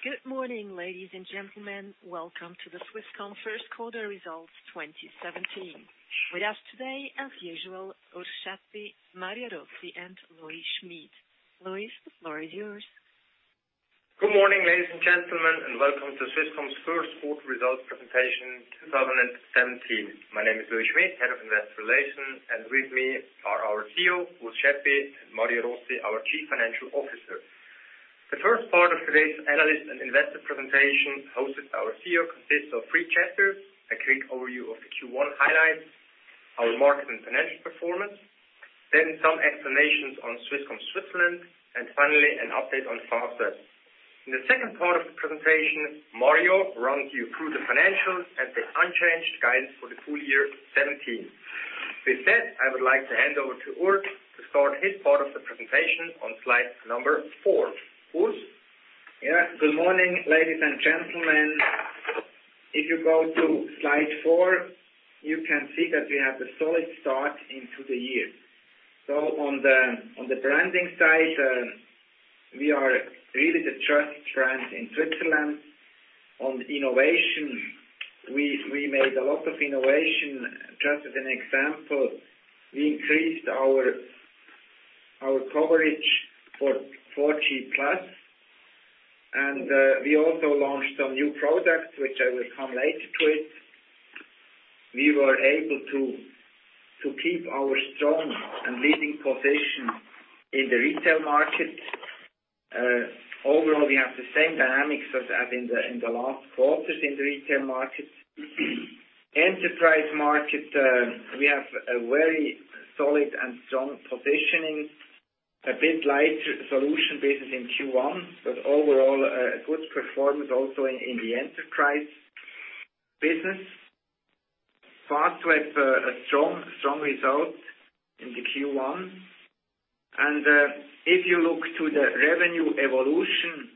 Good morning, ladies and gentlemen. Welcome to the Swisscom first quarter results 2017. With us today, as usual, Urs Schaeppi, Mario Rossi and Louis Schmid. Louis, the floor is yours. Good morning, ladies and gentlemen, welcome to Swisscom's first quarter results presentation 2017. My name is Louis Schmid, Head of Investor Relations, and with me are our CEO, Urs Schaeppi, and Mario Rossi, our Chief Financial Officer. The first part of today's analyst and investor presentation, hosted by our CEO, consists of three chapters. A quick overview of the Q1 highlights, our market and financial performance, then some explanations on Swisscom Switzerland, and finally, an update on Fastweb. In the second part of the presentation, Mario runs you through the financials and the unchanged guidance for the full year 2017. With that, I would like to hand over to Urs to start his part of the presentation on slide number four. Urs? Good morning, ladies and gentlemen. If you go to slide four, you can see that we have a solid start into the year. On the branding side, we are really the trust brand in Switzerland. On innovation, we made a lot of innovation. Just as an example, we increased our coverage for 4G+, and we also launched some new products, which I will come later to it. We were able to keep our strong and leading position in the retail market. Overall, we have the same dynamics as in the last quarters in the retail market. Enterprise market, we have a very solid and strong positioning. A bit light solution business in Q1, but overall, a good performance also in the enterprise business. Fastweb, a strong result in the Q1. If you look to the revenue evolution,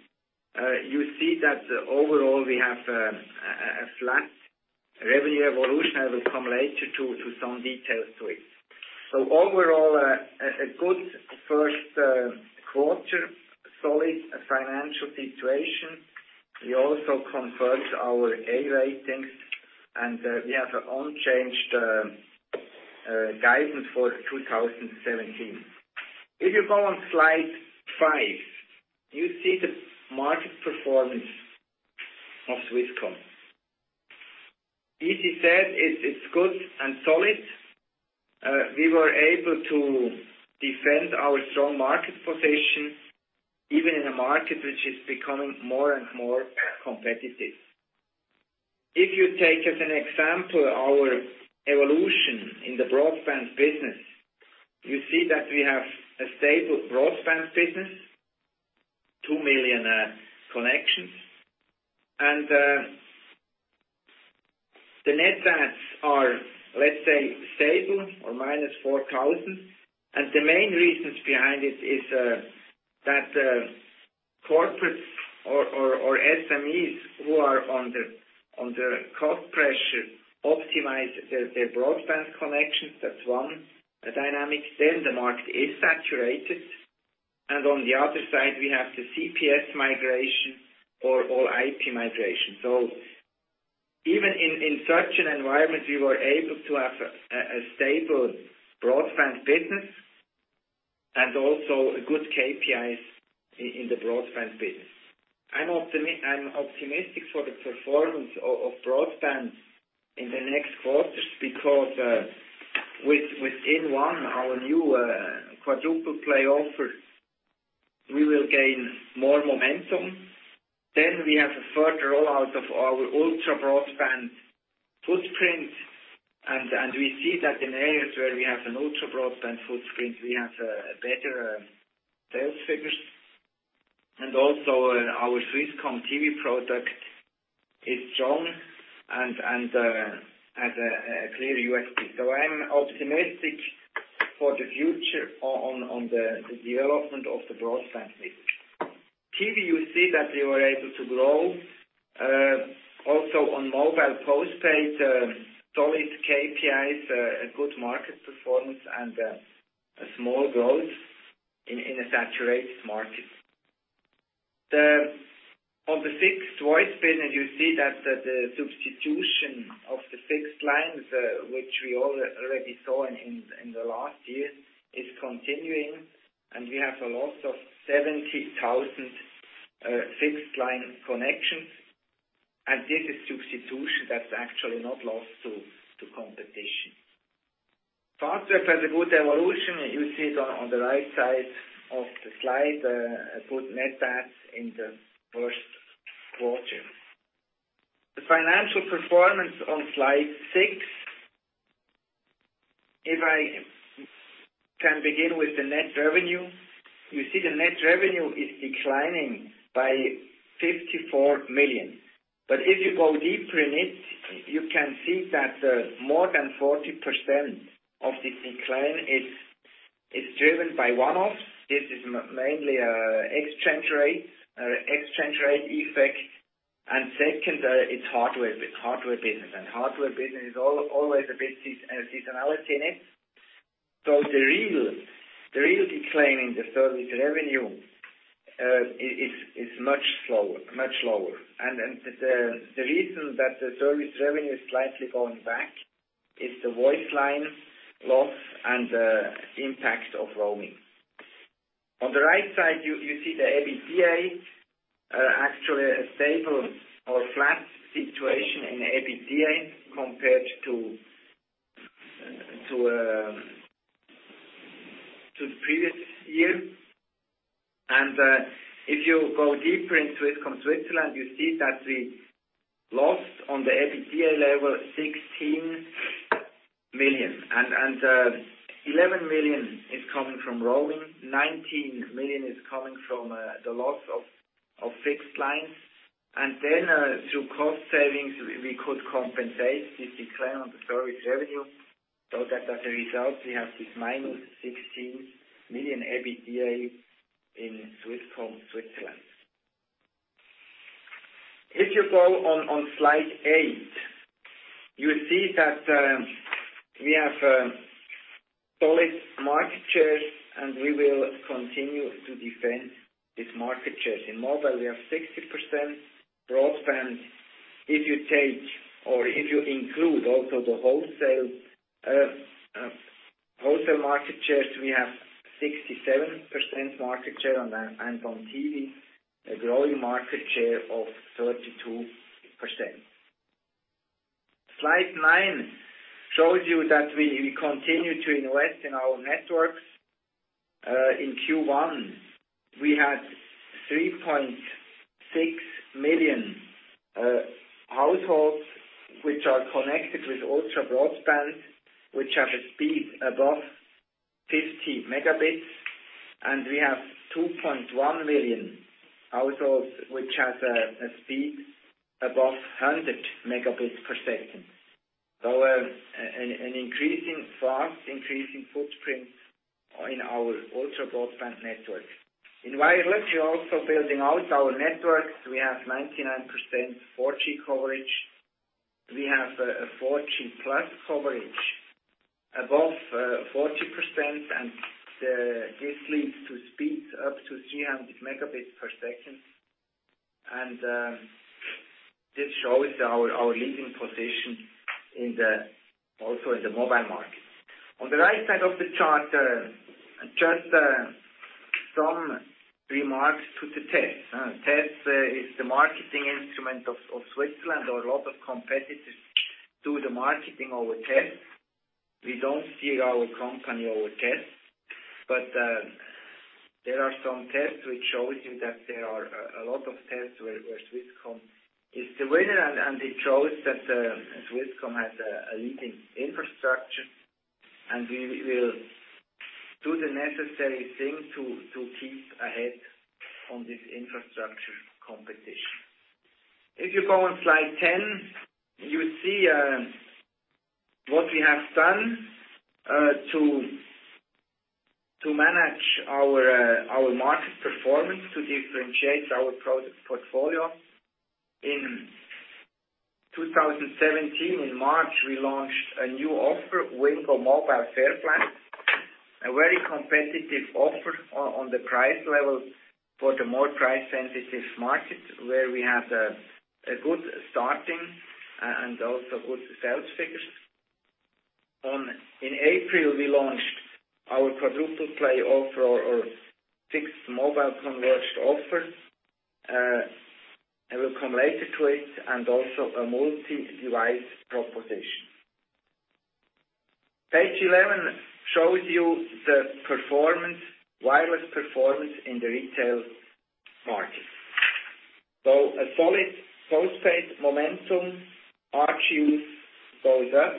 you see that overall we have a flat revenue evolution. I will come later to some details to it. Overall, a good first quarter. Solid financial situation. We also confirmed our A ratings, and we have unchanged guidance for 2017. If you go on slide five, you see the market performance of Swisscom. Easy said, it's good and solid. We were able to defend our strong market position, even in a market which is becoming more and more competitive. If you take as an example our evolution in the broadband business, you see that we have a stable broadband business. 2 million connections. The net adds are, let's say, stable or -4,000. The main reasons behind it is that corporates or SMEs who are under cost pressure optimize their broadband connections. That's one dynamic. The market is saturated. On the other side, we have the CPS migration or IP migration. Even in such an environment, we were able to have a stable broadband business and also good KPIs in the broadband business. I'm optimistic for the performance of broadband in the next quarters because with inOne, our new quadruple play offer, we will gain more momentum. We have a further rollout of our ultra-broadband footprint. We see that in areas where we have an ultra-broadband footprint, we have better sales figures. Also our Swisscom TV product is strong and has a clear USP. I'm optimistic for the future on the development of the broadband business. TV, you see that we were able to grow. On mobile postpaid, solid KPIs, a good market performance, and a small growth in a saturated market. On the fixed voice business, you see that the substitution of the fixed lines which we already saw in the last year is continuing, and we have a loss of 70,000 fixed line connections. This is substitution. That's actually not lost to competition. Fastweb has a good evolution. You see it on the right side of the slide, a good net adds in the first quarter. The financial performance on slide six. If I can begin with the net revenue. You see the net revenue is declining by 54 million. If you go deeper in it, you can see that more than 40% of this decline is driven by one-offs. This is mainly exchange rate effect. Second, it's hardware business. Hardware business always a bit seasonality in it. The real decline in the service revenue is much lower. The reason that the service revenue is slightly going back is the voice line loss and the impact of roaming. On the right side, you see the EBITDA. Actually, a stable or flat situation in the EBITDA compared to the previous year. If you go deeper into Swisscom Switzerland, you see that we lost on the EBITDA level 16 million. 11 million is coming from roaming. 19 million is coming from the loss of fixed lines. Then through cost savings, we could compensate this decline on the service revenue so that as a result, we have this minus 16 million EBITDA in Swisscom Switzerland. If you go on slide eight, you see that we have a solid market share, and we will continue to defend this market share. In mobile, we have 60%. Broadband, if you take or if you include also the wholesale market shares, we have 67% market share. On TV, a growing market share of 32%. Slide nine shows you that we continue to invest in our networks. In Q1, we had 3.6 million households which are connected with ultra broadband, which have a speed above 50 megabits. We have 2.1 million households which have a speed above 100 megabits per second. A fast increasing footprint in our ultra broadband network. In wireless, we are also building out our networks. We have 99% 4G coverage. We have a 4G+ coverage above 40%, and this leads to speeds up to 300 megabits per second. This shows our leading position also in the mobile market. On the right side of the chart, just some remarks to the tests. Tests is the marketing instrument of Switzerland. A lot of competitors do the marketing over tests. We don't see our company over tests. There are some tests which shows you that there are a lot of tests where Swisscom is the winner, and it shows that Swisscom has a leading infrastructure. We will do the necessary thing to keep ahead on this infrastructure competition. If you go on slide 10, you see what we have done to manage our market performance to differentiate our product portfolio. In 2017, in March, we launched a new offer, Wingo Mobile Fair Flat. A very competitive offer on the price level for the more price-sensitive markets where we have a good starting and also good sales figures. In April, we launched our quadruple play offer or fixed mobile converged offer. I will come later to it. Also a Multi Device proposition. Page 11 shows you the wireless performance in the retail market. A solid postpaid momentum. ARPU goes up.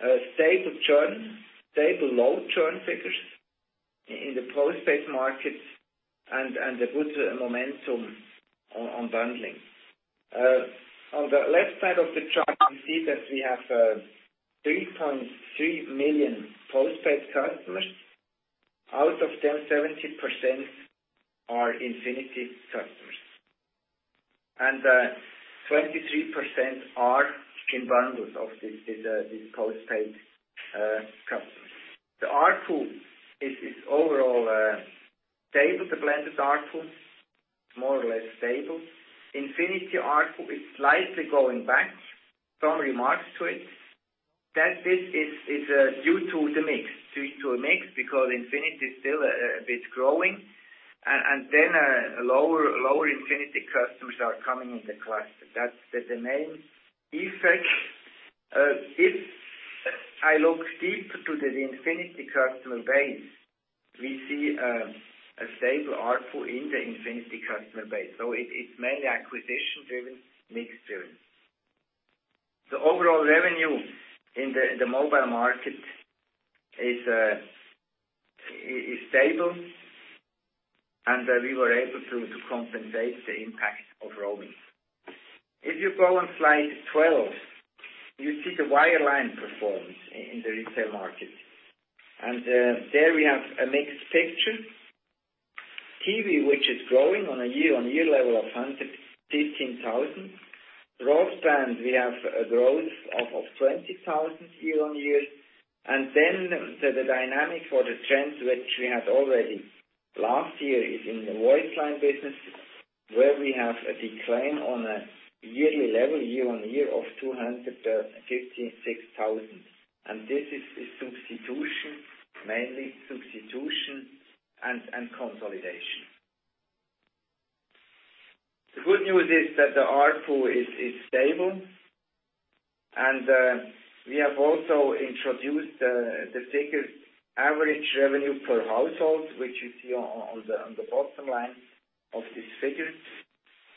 A stable churn. Stable low churn figures in the postpaid markets and a good momentum on bundling. On the left side of the chart, you see that we have 3.3 million postpaid customers. Out of them, 70% are Infinity customers. 23% are in bundles of these postpaid customers. The ARPU is overall stable. The blended ARPU is more or less stable. Infinity ARPU is slightly going back. Some remarks to it. That bit is due to a mix because Infinity is still a bit growing. Lower Infinity customers are coming in the cluster. That's the main effect. If I look deeper to the Infinity customer base, we see a stable ARPU in the Infinity customer base. It's mainly acquisition-driven, mix-driven. The overall revenue in the mobile market is stable, and we were able to compensate the impact of roaming. If you go on slide 12, you see the wireline performance in the retail market. There we have a mixed picture. TV, which is growing on a year-on-year level of 115,000. Broadband, we have a growth of 20,000 year-on-year. The dynamic for the trends which we had already last year is in the voice line business, where we have a decline on a yearly level, year-on-year, of 256,000. This is substitution, mainly substitution and consolidation. The good news is that the ARPU is stable. We have also introduced the figures average revenue per household, which you see on the bottom line of this figure.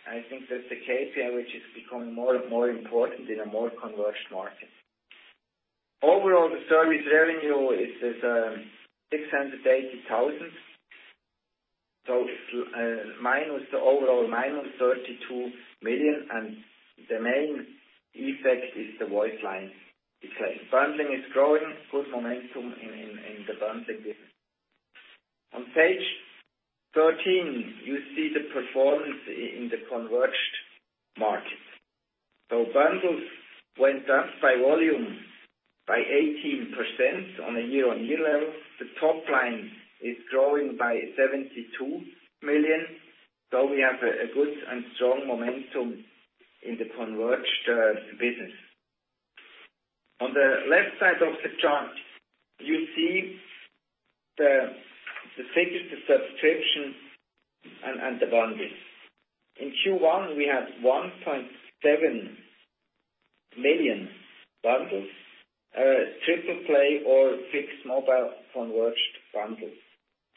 I think that's the KPI, which is becoming more and more important in a more converged market. Overall, the service revenue is 680,000. Overall, minus 32 million, and the main effect is the voice line decline. Bundling is growing. Good momentum in the bundling business. On page 13, you see the performance in the converged market. Bundles went up by volume by 18% on a year-on-year level. The top line is growing by 72 million. We have a good and strong momentum in the converged business. On the left side of the chart, you see the figures, the subscription, and the bundles. In Q1, we had 1.7 million bundles, triple-play or fixed mobile converged bundles.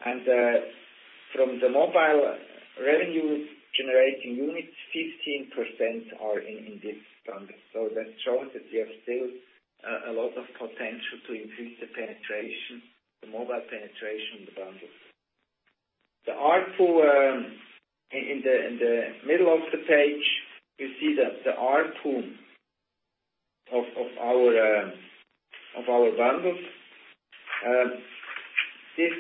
From the mobile revenue-generating units, 15% are in this bundle. That shows that we have still a lot of potential to increase the mobile penetration in the bundles. In the middle of the page, you see the ARPU of our bundles. This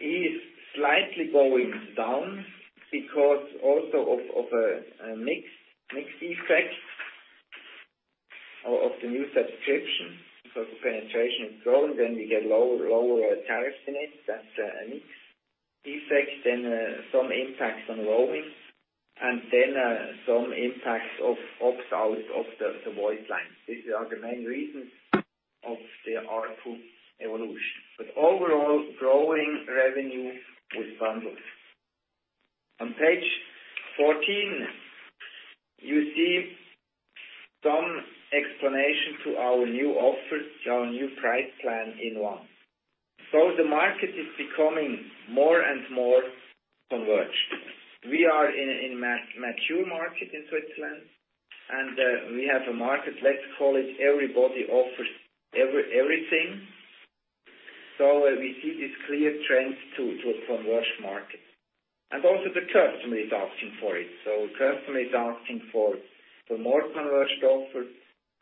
is slightly going down because also of a mixed effect of the new subscription. Because the penetration is growing, then we get lower tariffs in it. That's a mixed effect. Some impacts on roaming, and then some impacts of opt-outs of the voice line. These are the main reasons of the ARPU evolution. Overall, growing revenue with bundles. On page 14, you see some explanation to our new offer, our new price plan inOne. The market is becoming more and more converged. We are in a mature market in Switzerland, and we have a market, let's call it everybody offers everything. We see this clear trend to a converged market. The customer is asking for it.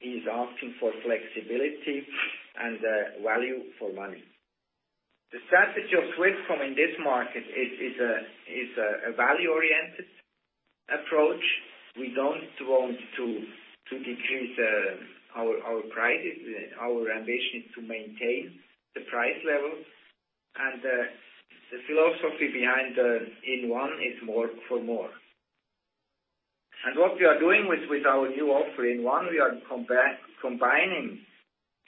He's asking for flexibility and value for money. The strategy of Swisscom in this market is a value-oriented approach. We don't want to decrease our prices. Our ambition is to maintain the price level. The philosophy behind inOne is more for more. What we are doing with our new offer inOne, we are combining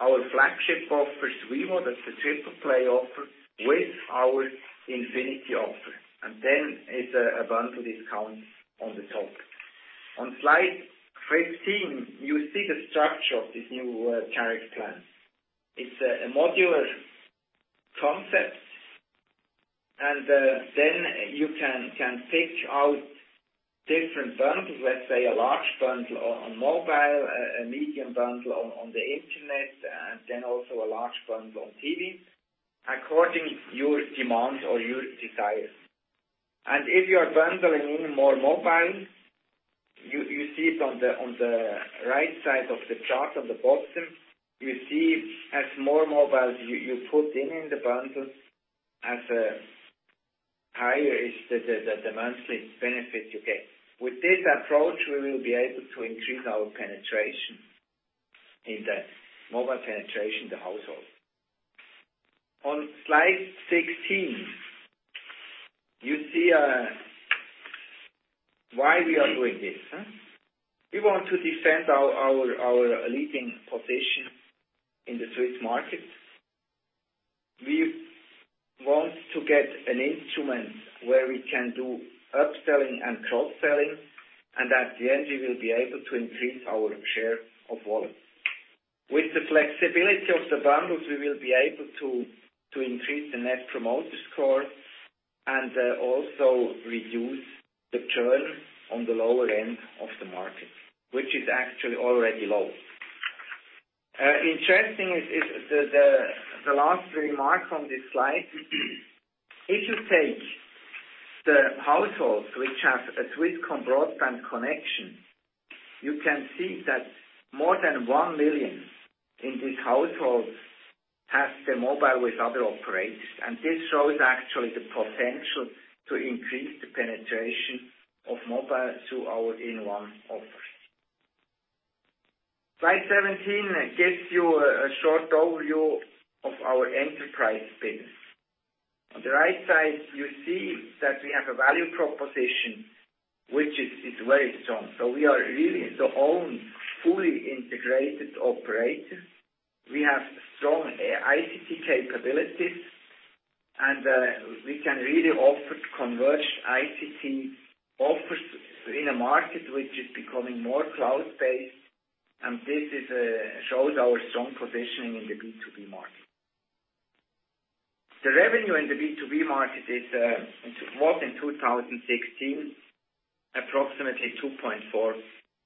our flagship offers, Vivo, that's the triple-play offer, with our Infinity offer. Then it's a bundle discount on the top. On slide 15, you see the structure of this new tariff plan. It's a modular concept. Then you can pick out different bundles. Let's say a large bundle on mobile, a medium bundle on the internet, and then also a large bundle on TV according to your demands or your desires. If you are bundling in more mobile, you see it on the right side of the chart on the bottom. You see as more mobile you put in in the bundle, as higher is the monthly benefit you get. With this approach, we will be able to increase our penetration in the mobile penetration in the household. On slide 16, you see why we are doing this. We want to defend our leading position in the Swiss market. We want to get an instrument where we can do upselling and cross-selling, and at the end, we will be able to increase our share of wallet. With the flexibility of the bundles, we will be able to increase the Net Promoter Score and also reduce the churn on the lower end of the market, which is actually already low. Interesting is the last remark on this slide. If you take the households which have a Swisscom broadband connection, you can see that more than 1 million in these households have the mobile with other operators, and this shows actually the potential to increase the penetration of mobile to our inOne offer. Slide 17 gives you a short overview of our enterprise business. On the right side, you see that we have a value proposition, which is very strong. We are really the only fully integrated operator. We have strong ICT capabilities, and we can really offer converged ICT offers in a market which is becoming more cloud-based, and this shows our strong positioning in the B2B market. The revenue in the B2B market was in 2016, approximately 2.4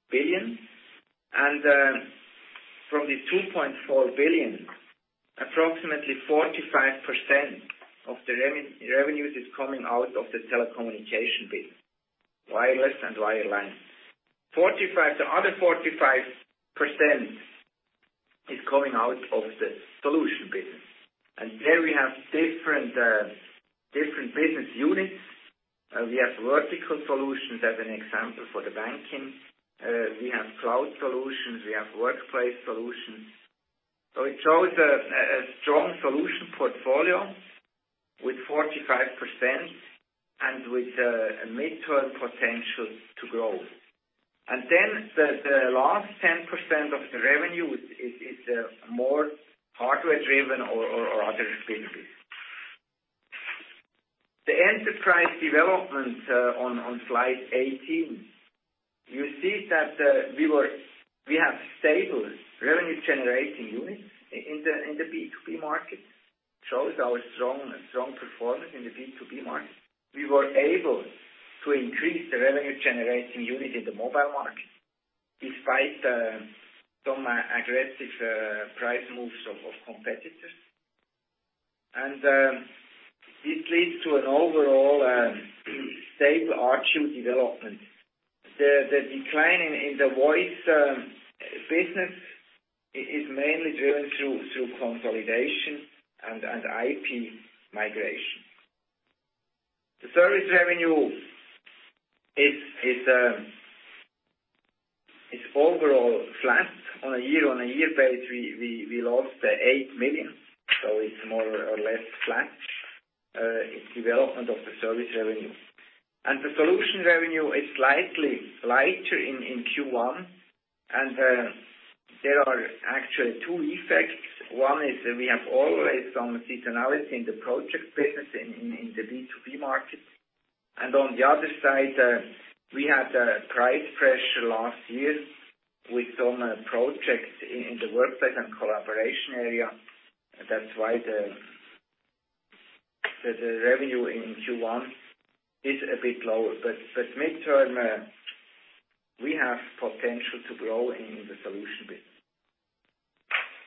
billion. From the 2.4 billion, approximately 45% of the revenue is coming out of the telecommunication business, wireless and wireline. The other 45% is coming out of the solution business. There we have different business units. We have vertical solutions, as an example, for the banking. We have cloud solutions. We have workplace solutions. It shows a strong solution portfolio with 45% and with a mid-term potential to grow. The last 10% of the revenue is more hardware driven or other capabilities. The enterprise development on slide 18. You see that we have stable revenue-generating units in the B2B market. Shows our strong performance in the B2B market. We were able to increase the revenue-generating unit in the mobile market despite some aggressive price moves of competitors. This leads to an overall stable ARPU development. The decline in the voice business is mainly driven through consolidation and IP migration. The service revenue is overall flat. On a year-on-year base, we lost 8 million CHF, so it is more or less flat in development of the service revenue. The solution revenue is slightly lighter in Q1, and there are actually two effects. One is we have always some seasonality in the project business in the B2B market. On the other side, we had a price pressure last year with some projects in the workspace and collaboration area. That is why the revenue in Q1 is a bit lower. Mid-term, we have potential to grow in the solution business.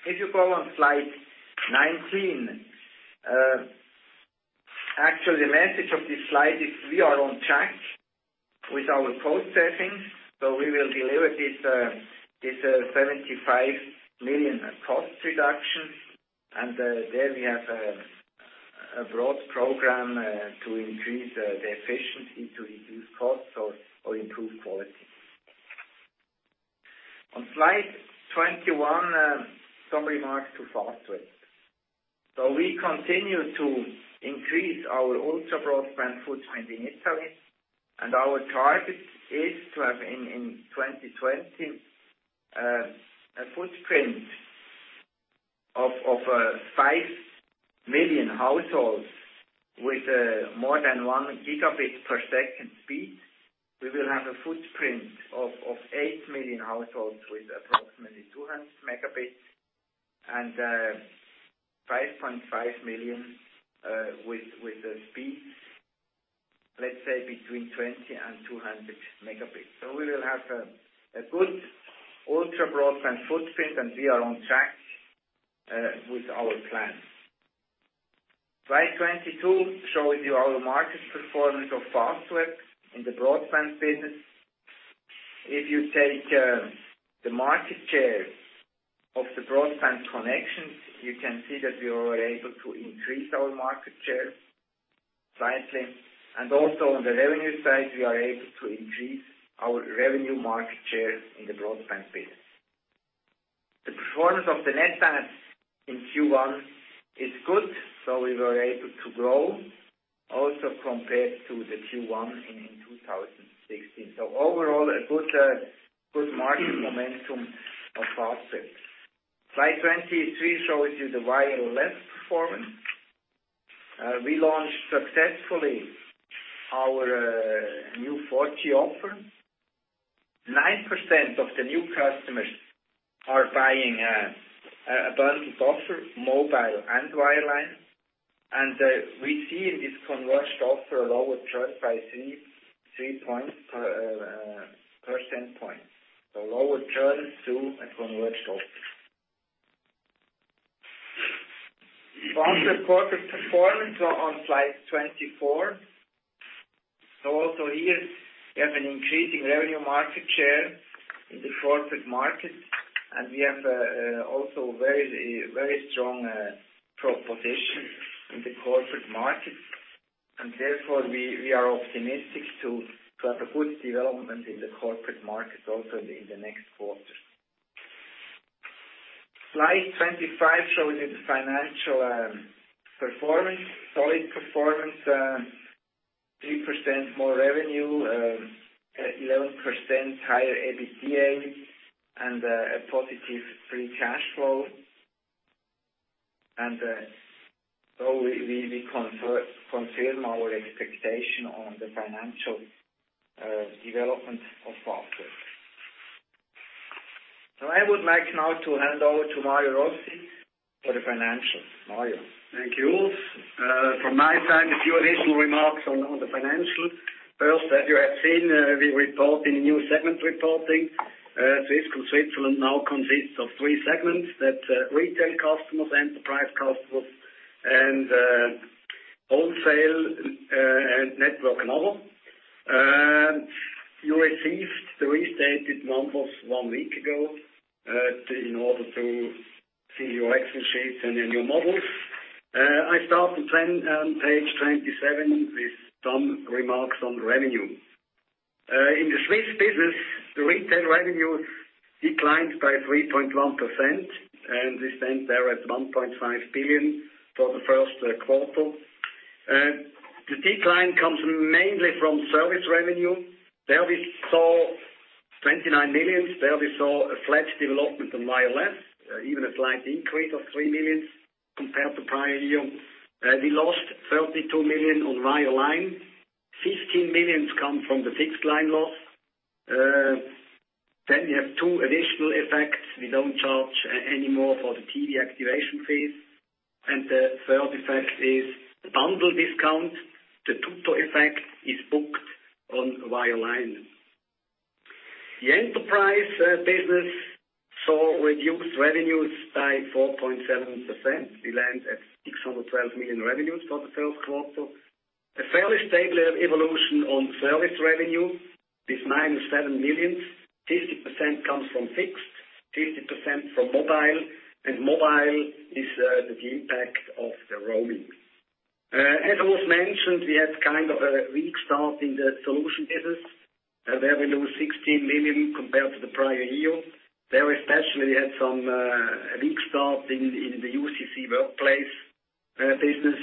If you go on slide 19. Actually, the message of this slide is we are on track with our cost savings, so we will deliver this 75 million CHF cost reduction, and there we have a broad program to increase the efficiency to reduce costs or improve quality. On slide 21, some remarks to Fastweb. We continue to increase our ultra-broadband footprint in Italy, and our target is to have, in 2020, a footprint of 5 million households with more than one gigabit per second speed. We will have a footprint of 8 million households with approximately 200 megabits and 5.5 million with a speed, let us say between 20 and 200 megabits. We will have a good ultra-broadband footprint, and we are on track with our plan. Slide 22 shows you our market performance of Fastweb in the broadband business. If you take the market share of the broadband connections, you can see that we were able to increase our market share slightly. Also on the revenue side, we are able to increase our revenue market share in the broadband business. The performance of the net balance in Q1 is good. We were able to grow also compared to the Q1 in 2016. Overall, a good market momentum of Fastweb. Slide 23 shows you the wireless performance. We launched successfully our new 4G offer. 9% of the new customers are buying a bundled offer, mobile and wireline. We see in this converged offer a lower churn by three percentage points. Lower churn through a converged offer. Fastweb corporate performance on slide 24. Also here, we have an increasing revenue market share in the corporate market, and we have also very strong proposition in the corporate market. Therefore, we are optimistic to have a good development in the corporate market also in the next quarter. Slide 25 shows you the financial performance. Solid performance, 3% more revenue, 11% higher EBITDA, and a positive free cash flow. We confirm our expectation on the financial development of Fastweb. I would like now to hand over to Mario Rossi for the financials. Mario? Thank you, Urs. From my side, a few additional remarks on the financials. First, as you have seen, we report in the new segment reporting. Swisscom Switzerland now consists of three segments: retail customers, enterprise customers, and wholesale and network and other. You received the restated numbers one week ago in order to see your excel sheets and the new models. I start on page 27 with some remarks on revenue. In the Swiss business, the retail revenue declined by 3.1%, and we stand there at 1.5 billion for the first quarter. The decline comes mainly from service revenue. There we saw 29 million. There we saw a flat development on wireless, even a slight increase of 3 million compared to prior year. We lost 32 million on wireline. 15 million come from the fixed line loss. We have two additional effects. We don't charge any more for the TV activation phase. The third effect is the bundle discount. The Tariff effect is booked on wireline. The enterprise business saw reduced revenues by 4.7%. We land at 612 million revenues for the first quarter. A fairly stable evolution on service revenue with -7 million. 50% comes from fixed, 50% from mobile, and mobile is the impact of the roaming. As was mentioned, we had kind of a weak start in the solution business. There we lose 16 million compared to the prior year. There especially had some weak start in the UCC workplace business.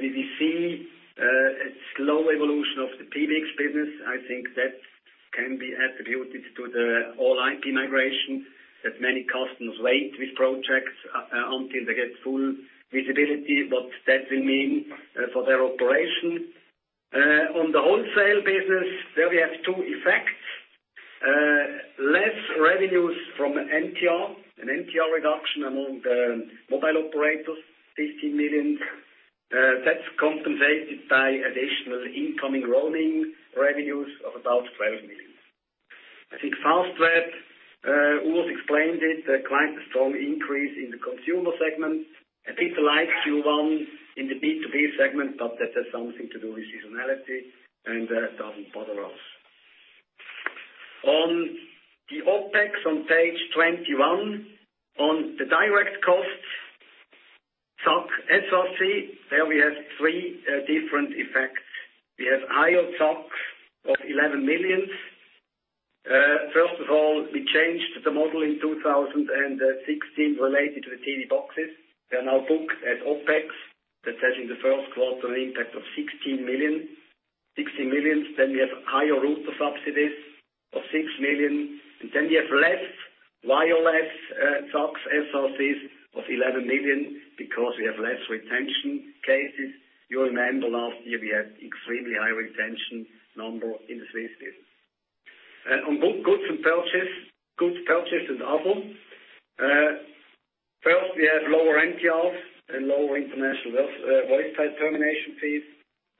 We will see a slow evolution of the PBX business. I think that can be attributed to the All IP migration that many customers wait with projects until they get full visibility, what that will mean for their operation. On the wholesale business, there we have two effects. Less revenues from MTR. An MTR reduction among the mobile operators, 15 million. That's compensated by additional incoming roaming revenues of about 12 million. I think Fastweb, Urs explained it, quite a strong increase in the consumer segment. A bit like Q1 in the B2B segment, but that has something to do with seasonality and doesn't bother us. On the OpEx on page 21, on the direct costs, SOC, there we have three different effects. We have higher SOC of 11 million. First of all, we changed the model in 2016 related to the TV boxes. They are now booked as OpEx. That has, in the first quarter, an impact of 16 million. We have higher router subsidies of 6 million. We have less wireless SOCs of 11 million because we have less retention cases. You remember last year, we had extremely high retention number in the Swiss business. On goods purchased and other. We have lower MTRs and lower international voice-side termination fees.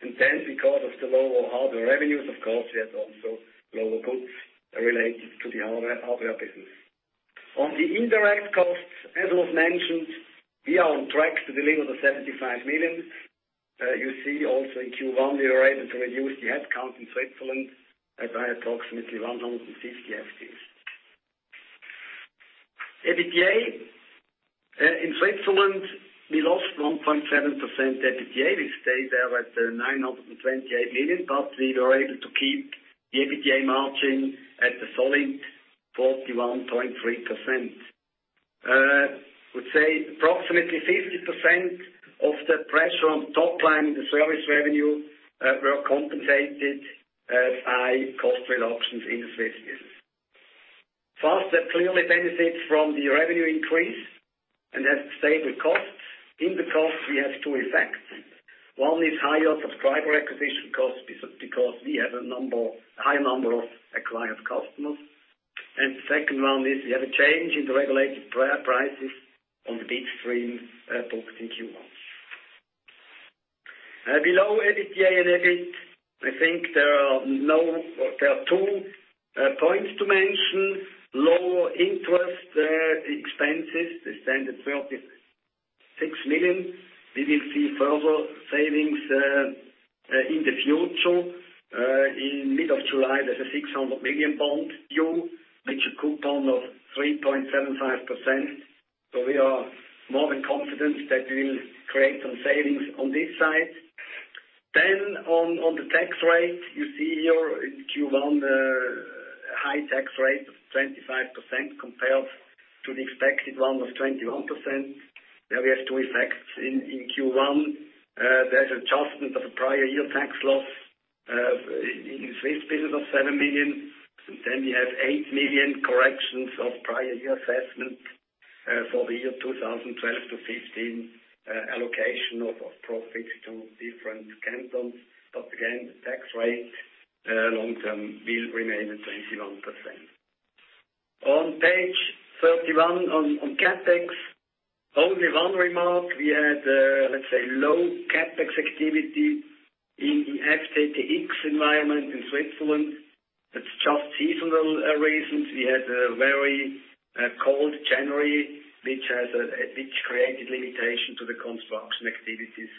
Because of the lower hardware revenues, of course, we had also lower goods related to the hardware business. On the indirect costs, as was mentioned, we are on track to deliver the 75 million. You see also in Q1, we were able to reduce the headcount in Switzerland by approximately 150 FTEs. EBITDA. In Switzerland, we lost 1.7% EBITDA. We stay there at 928 million, we were able to keep the EBITDA margin at a solid 41.3%. I would say approximately 50% of the pressure on top line in the service revenue were compensated by cost reductions in the Swiss business. Fastweb clearly benefits from the revenue increase and has stable costs. In the costs, we have two effects. One is higher subscriber acquisition cost because we have a high number of acquired customers. The second one is we have a change in the regulated prices on the bitstream booked in Q1. Below EBITDA and EBIT, I think there are two points to mention. Lower interest expenses, they stand at 36 million. We will see further savings in the future. In mid of July, there's a 600 million bond deal with a coupon of 3.75%. We are more than confident that we will create some savings on this side. On the tax rate, you see here in Q1, the high tax rate of 25% compared to the expected one of 21%. There we have two effects. In Q1, there's adjustment of a prior year tax loss in the Swiss business of 7 million. We have 8 million corrections of prior year assessment for the year 2012-2015, allocation of profits to different cantons. Again, the tax rate long-term will remain at 21%. On page 31, on CapEx, only one remark. We had, let's say, low CapEx activity in FTTX environment in Switzerland. That's just seasonal reasons. We had a very cold January, which created limitation to the construction activities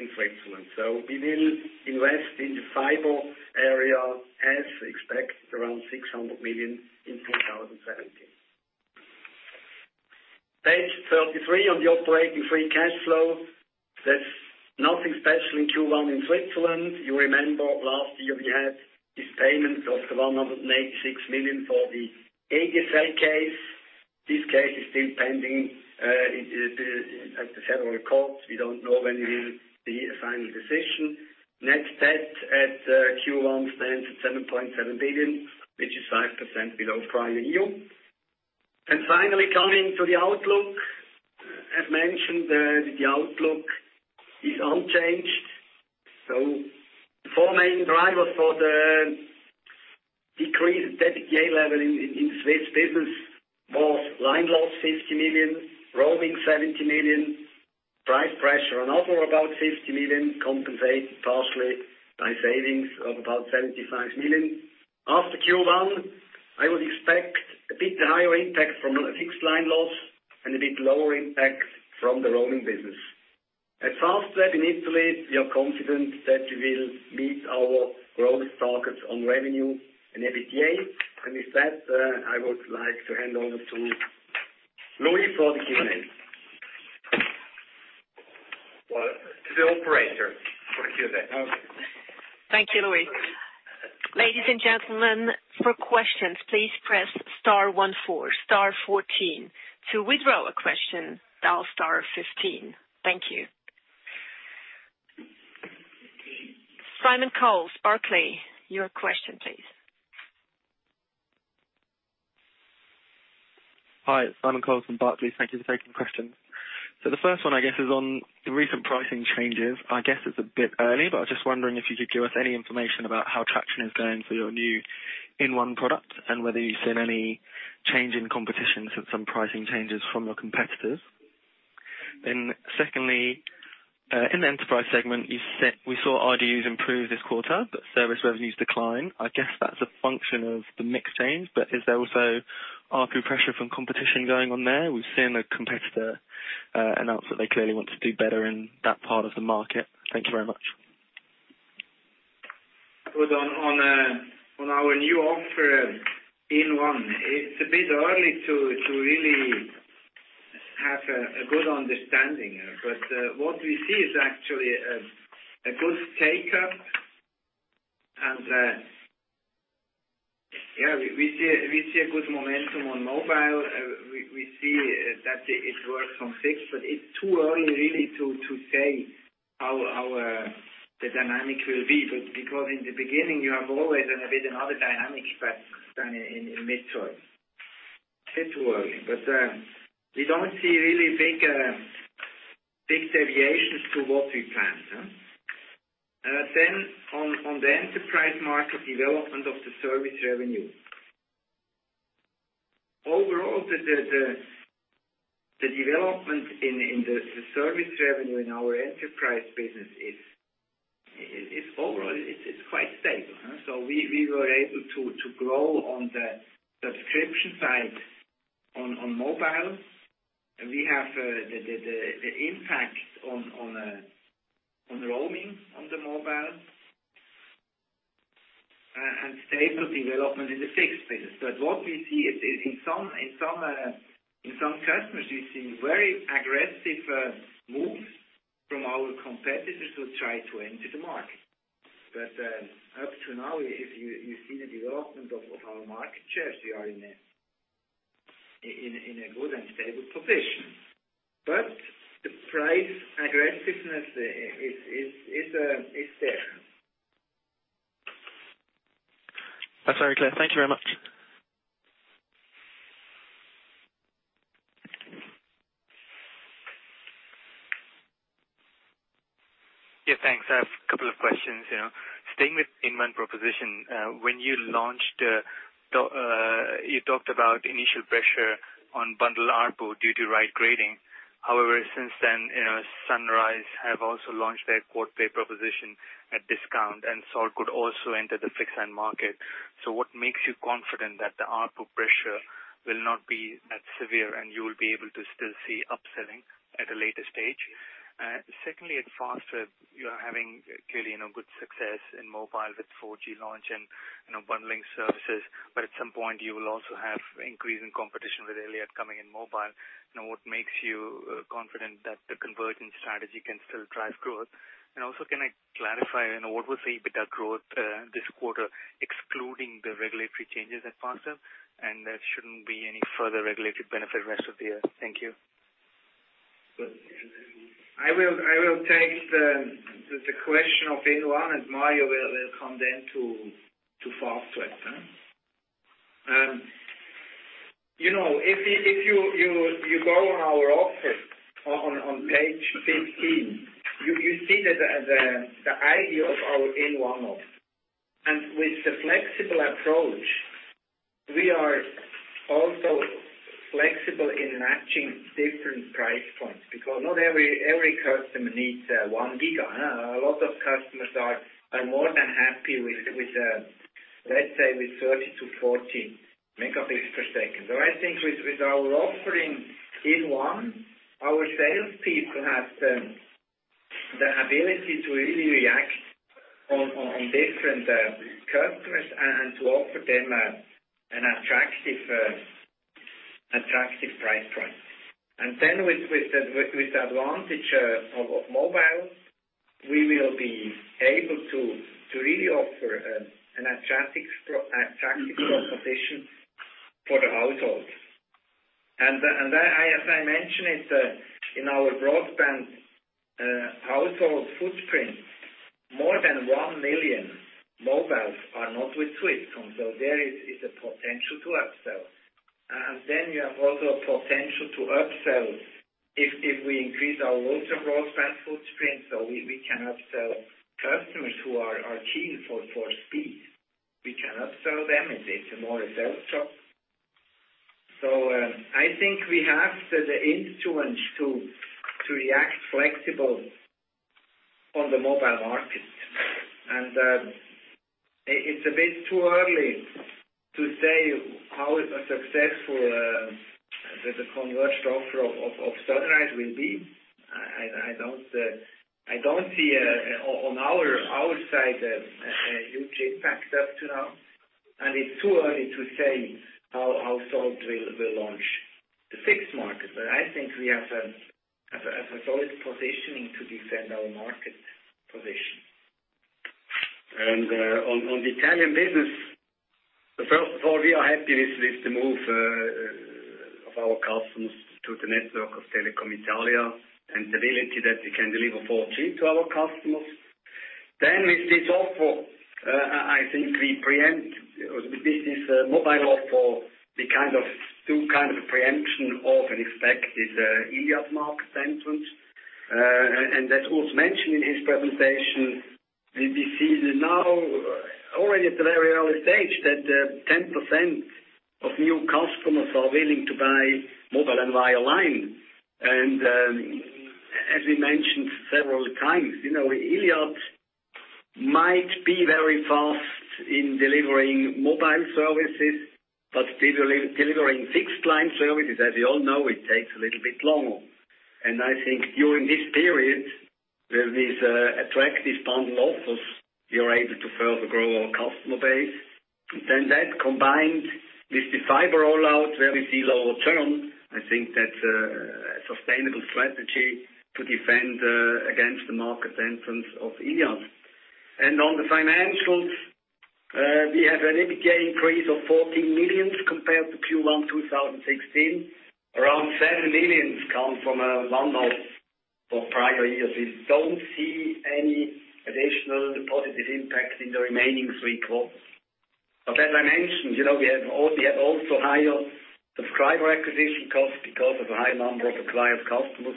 in Switzerland. We will invest in the fiber area as expected, around 600 million in 2017. Page 33 on the operating free cash flow. There's nothing special in Q1 in Switzerland. You remember last year we had this payment of the 186 million for the AGFA case. This case is still pending at the Federal Supreme Court. We don't know when we will see a final decision. Net debt at Q1 stands at 7.7 billion, which is 5% below prior year. Finally, coming to the outlook. As mentioned, the outlook is unchanged. The four main drivers for the decreased EBITDA level in the Swiss business was line loss, 50 million, roaming, 70 million. Price pressure and other, about 50 million, compensated partially by savings of about 75 million. After Q1, I would expect a bit higher impact from fixed line loss and a bit lower impact from the roaming business. At Fastweb in Italy, we are confident that we will meet our growth targets on revenue and EBITDA. With that, I would like to hand over to Louis for the Q&A. To the operator for the Q&A. Okay. Thank you, Louis. Ladies and gentlemen, for questions, please press star 14, star 14. To withdraw a question, dial star 15. Thank you. Simon Coles, Barclays, your question, please. Hi, Simon Coles from Barclays. Thank you for taking the question. The first one, I guess, is on the recent pricing changes. I guess it's a bit early, but I was just wondering if you could give us any information about how traction is going for your new inOne product and whether you've seen any change in competition since some pricing changes from your competitors. Secondly, in the enterprise segment, we saw RGUs improve this quarter, but service revenues decline. I guess that's a function of the mix change, but is there also ARPU pressure from competition going on there? We've seen a competitor announce that they clearly want to do better in that part of the market. Thank you very much. Good. On our new offer, inOne, it's a bit early to really have a good understanding. What we see is actually a good take-up, and we see a good momentum on mobile. We see that it works on fixed, it's too early really to say how the dynamic will be. Because in the beginning, you have always a bit another dynamic than in mid-term. It's too early. We don't see really big deviations to what we planned. On the enterprise market development of the service revenue. Overall, the development in the service revenue in our enterprise business is quite stable. We were able to grow on the subscription side on mobile. We have the impact on roaming on the mobile, and stable development in the fixed business. What we see in some customers, we've seen very aggressive moves from our competitors who try to enter the market. Up to now, if you see the development of our market shares, we are in a good and stable position. The price aggressiveness is there. That's very clear. Thank you very much. Yeah, thanks. I have a couple of questions. Staying with inOne proposition. When you launched, you talked about initial pressure on bundle ARPU due to right grading. However, since then, Sunrise have also launched their Sunrise One proposition at discount, Salt could also enter the fixed line market. What makes you confident that the output pressure will not be as severe and you will be able to still see upselling at a later stage? Secondly, at Fastweb, you are having clearly good success in mobile with 4G launch and bundling services. At some point, you will also have increasing competition with Iliad coming in mobile. What makes you confident that the convergence strategy can still drive growth? Also, can I clarify, what was the EBITDA growth this quarter excluding the regulatory changes at Fastweb? There shouldn't be any further regulated benefit rest of the year. Thank you. I will take the question of inOne. Mario will come then to Fastweb. If you go on our offer on page 15, you see the idea of our inOne offer. With the flexible approach, we are also flexible in matching different price points, because not every customer needs one giga. A lot of customers are more than happy with, let's say, 30 to 40 megabits per second. I think with our offering inOne, our salespeople have the ability to really react on different customers and to offer them an attractive price point. Then with the advantage of mobile, we will be able to really offer an attractive proposition for the households. As I mentioned it, in our broadband household footprint, more than 1 million mobiles are not with Swisscom, so there is a potential to upsell. You have also a potential to upsell if we increase our ultra broadband footprint, we can upsell customers who are keen for speed. We can upsell them, and it's more a sales job. I think we have the influence to react flexible on the mobile market. It's a bit too early to say how successful the converged offer of Sunrise will be. I don't see on our side a huge impact up to now, it's too early to say how Salt will launch the fixed market. I think we have a solid positioning to defend our market position. On the Italian business, first of all, we are happy with the move of our customers to the network of Telecom Italia and the ability that we can deliver 4G to our customers. With this offer, I think we preempt, with this mobile offer, the two kinds of preemption of an expected Iliad market entrance. As Urs mentioned in his presentation, we see now already at the very early stage that 10% of new customers are willing to buy mobile and wireline. As we mentioned several times, Iliad might be very fast in delivering mobile services, but delivering fixed line services, as you all know, it takes a little bit longer. I think during this period, with these attractive bundle offers, we are able to further grow our customer base. That combined with the fiber rollout where we see longer term, I think that's a sustainable strategy to defend against the market entrance of Iliad. On the financials, we have an EBITDA increase of 14 million compared to Q1 2016. Around 7 million come from a one-off for prior years. We don't see any additional positive impact in the remaining three quarters. As I mentioned, we have also higher subscriber acquisition costs because of the high number of acquired customers.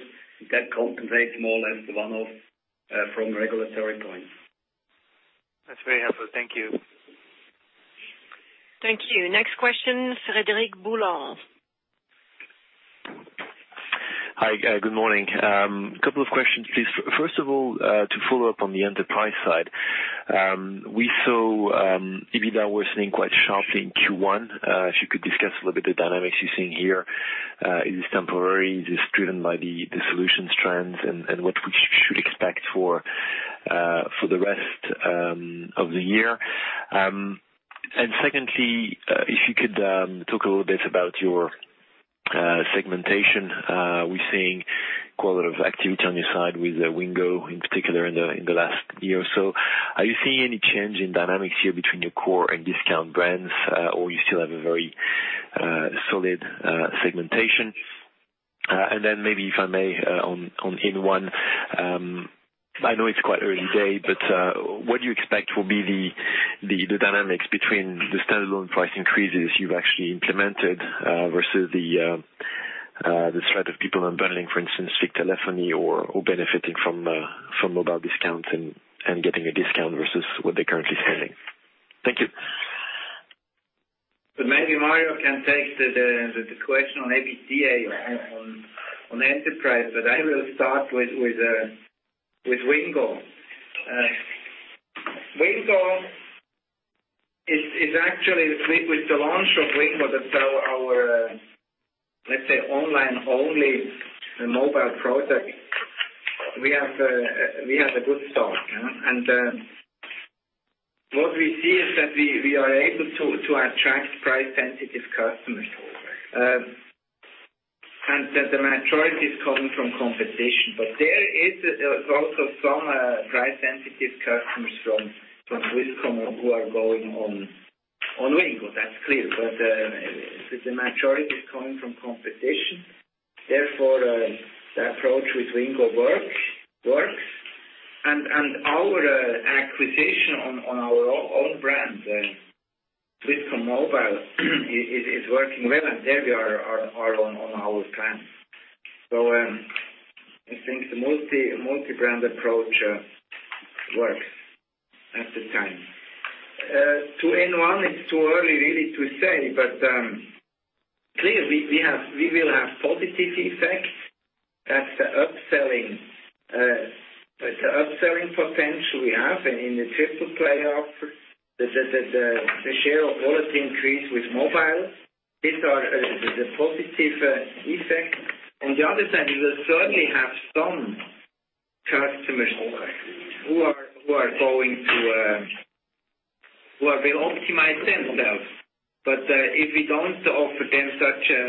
That compensates more or less the one-off from a regulatory point. That's very helpful. Thank you. Thank you. Next question, Frédéric Boulanger. Hi, good morning. Couple of questions, please. First of all, to follow up on the enterprise side. We saw EBITDA worsening quite sharply in Q1. If you could discuss a little bit the dynamics you're seeing here. Is this temporary? Is this driven by the solutions trends and what we should expect for the rest of the year? Secondly, if you could talk a little bit about your segmentation. We're seeing quite a lot of activity on your side with Wingo in particular in the last year or so. Are you seeing any change in dynamics here between your core and discount brands, or you still have a very solid segmentation? Then maybe, if I may, on inOne. I know it's quite early day, what do you expect will be the dynamics between the standalone price increases you've actually implemented versus the threat of people unbundling, for instance, fixed telephony or benefiting from mobile discount and getting a discount versus what they're currently selling? Thank you. Maybe Mario can take the question on EBITDA on Enterprise, I will start with Wingo. With the launch of Wingo, our, let's say, online-only mobile product, we have a good start. What we see is that we are able to attract price-sensitive customers. That the majority is coming from competition. There is also some price-sensitive customers from Swisscom who are going on Wingo. That's clear. The majority is coming from competition. Therefore, the approach with Wingo works. Our acquisition on our own brand, Swisscom Mobile, is working well. There we are on our plan. I think the multi-brand approach works at this time. To inOne, it's too early really to say, clearly, we will have positive effects. That's the upselling potential we have in the triple-play offer. The share of wallet increase with mobile. These are the positive effects. On the other side, we will certainly have some customers who will optimize themselves. If we don't offer them such a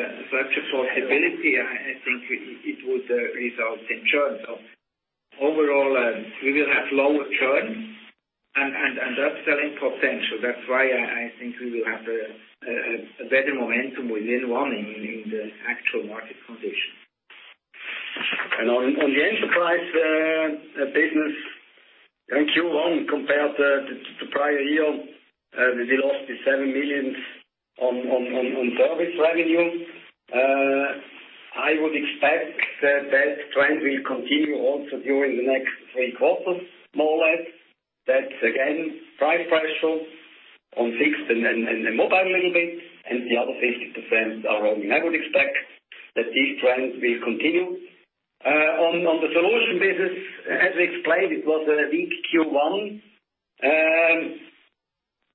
possibility, I think it would result in churn. Overall, we will have lower churn and upselling potential. That's why I think we will have a better momentum with inOne in the actual market condition. On the Enterprise business in Q1 compared to prior year, the loss is 7 million on service revenue. I would expect that trend will continue also during the next three quarters, more or less. That's again, price pressure on fixed and mobile a little bit, and the other 50% are roaming. I would expect that these trends will continue. On the solution business, as explained, it was a weak Q1.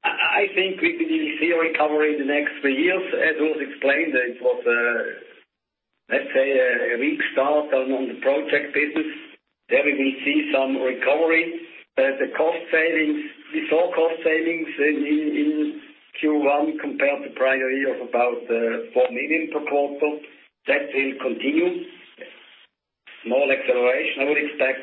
I think we will see a recovery in the next three years. As was explained, it was, let's say, a weak start on the project business. There we will see some recovery. We saw cost savings in Q1 compared to prior year of about 4 million per quarter. That will continue. Small acceleration, I would expect.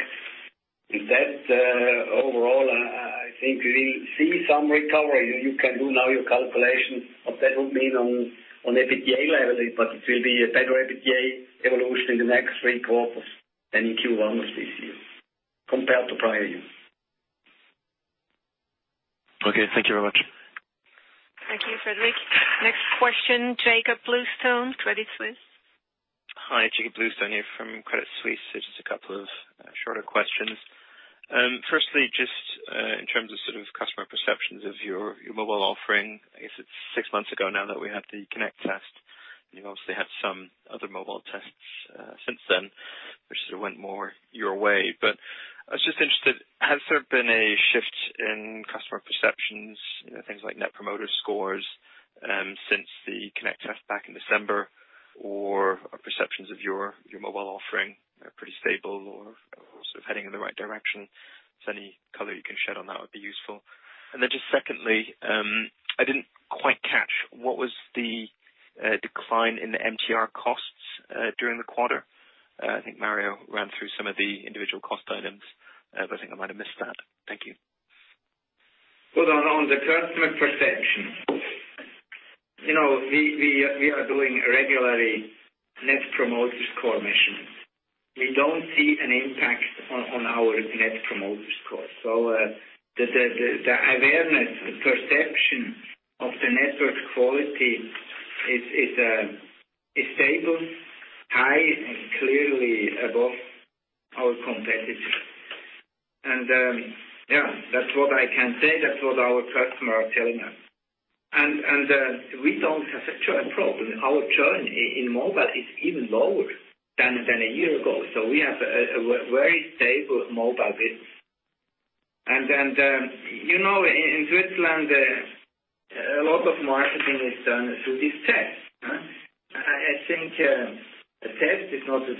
With that, overall, I think we will see some recovery. You can do now your calculation of that would mean on EBITDA level, but it will be a better EBITDA evolution in the next three quarters than in Q1 of this year compared to prior year. Okay. Thank you very much. Thank you, Frederic. Next question, Jakob Bluestone, Credit Suisse. Hi. Jakob Bluestone here from Credit Suisse. Just a couple of shorter questions. Firstly, just in terms of customer perceptions of your mobile offering. I guess it's six months ago now that we had the Connect test. You obviously had some other mobile tests since then, which went more your way. I was just interested, has there been a shift in customer perceptions, things like Net Promoter Scores, since the Connect test back in December? Are perceptions of your mobile offering pretty stable or heading in the right direction? Any color you can shed on that would be useful. Secondly, I didn't quite catch what was the decline in the MTR costs during the quarter. I think Mario ran through some of the individual cost items. I think I might have missed that. Thank you. Well, on the customer perception. We are doing regularly Net Promoter Score measurements. We don't see an impact on our Net Promoter Score. The awareness, the perception of the network quality is stable, high, and clearly above our competitors. Yeah, that's what I can say. That's what our customers are telling us. We don't have a churn problem. Our churn in mobile is even lower than a year ago. We have a very stable mobile business. In Switzerland, a lot of marketing is done through these tests. I think a test is not the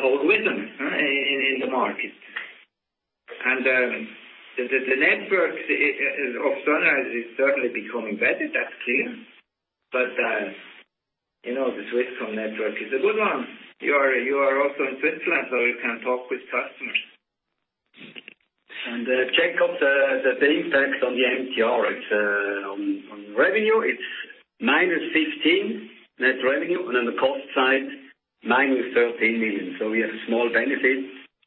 whole rhythm in the market. The network of Sunrise is certainly becoming better. That's clear. The Swisscom network is a good one. You are also in Switzerland, so you can talk with customers. Jakob, the impact on the MTR. On revenue, it's -15 net revenue. On the cost side, -13 million. We have a small benefit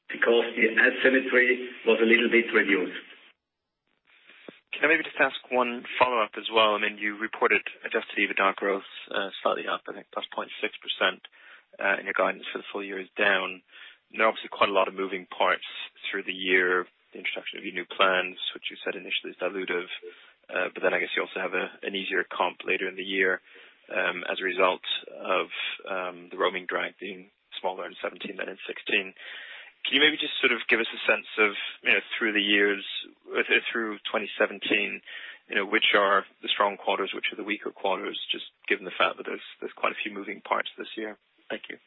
because the asymmetry was a little bit reduced. Can I maybe just ask one follow-up as well? You reported adjusted EBITDA growth slightly up, I think +0.6%. Your guidance for the full year is down. There are obviously quite a lot of moving parts through the year, the introduction of your new plans, which you said initially is dilutive. I guess you also have an easier comp later in the year, as a result of the roaming drag being smaller in 2017 than in 2016. Can you maybe just sort of give us a sense of through the years, through 2017, which are the strong quarters, which are the weaker quarters, just given the fact that there's quite a few moving parts this year? Thank you.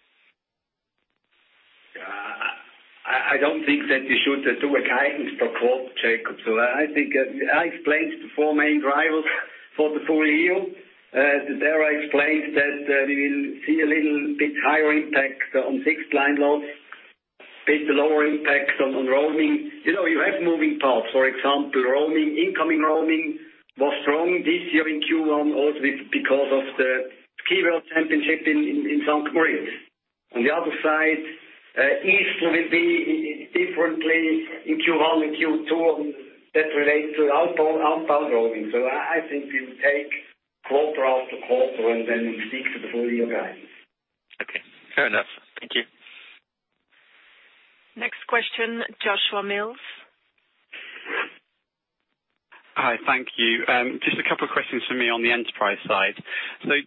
I don't think that we should do a guidance per quarter, Jakob. I think I explained the four main drivers for the full year. There I explained that we will see a little bit higher impact on fixed line loss, bit lower impact on roaming. You have moving parts, for example, incoming roaming was strong this year in Q1 also because of the Ski World Championship in St. Moritz. On the other side, easily be differently in Q1 and Q2 that relates to outbound roaming. I think we will take quarter after quarter and then we speak to the full-year guidance. Okay. Fair enough. Thank you. Next question, Joshua Mills. Hi. Thank you. Just a couple of questions from me on the enterprise side.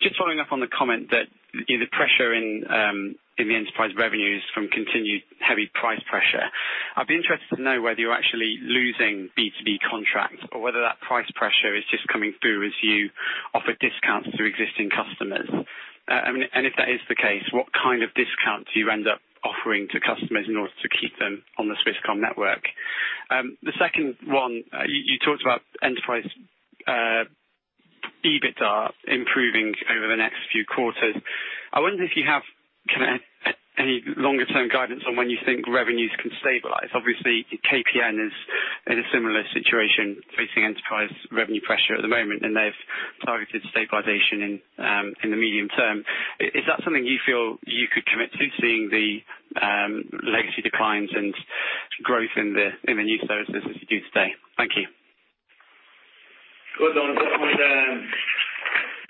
Just following up on the comment that the pressure in the enterprise revenues from continued heavy price pressure. I'd be interested to know whether you're actually losing B2B contracts or whether that price pressure is just coming through as you offer discounts to existing customers. If that is the case, what kind of discounts do you end up offering to customers in order to keep them on the Swisscom network? The second one, you talked about enterprise EBITDA improving over the next few quarters. I wonder if you have any longer-term guidance on when you think revenues can stabilize. Obviously, KPN is in a similar situation, facing enterprise revenue pressure at the moment, and they've targeted stabilization in the medium term. Is that something you feel you could commit to seeing the legacy declines and growth in the new services as you do today? Thank you. Good. On the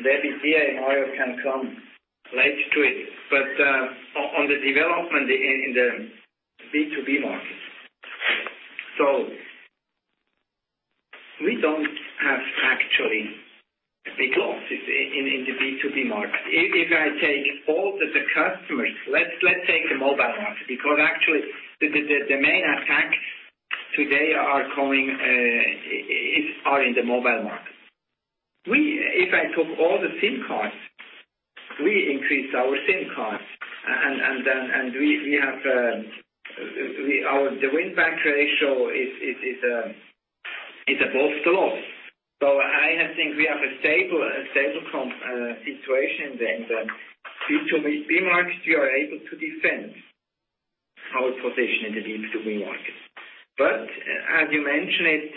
EBITDA, Mario can come later to it. On the development in the B2B market. We don't have actually big losses in the B2B market. If I take all the customers, let's take the mobile market, because actually, the main attack today are in the mobile market. If I took all the SIM cards, we increased our SIM cards, and the win-back ratio is above the loss. I think we have a stable comp situation in the B2B market. We are able to defend our position in the B2B market. As you mentioned it,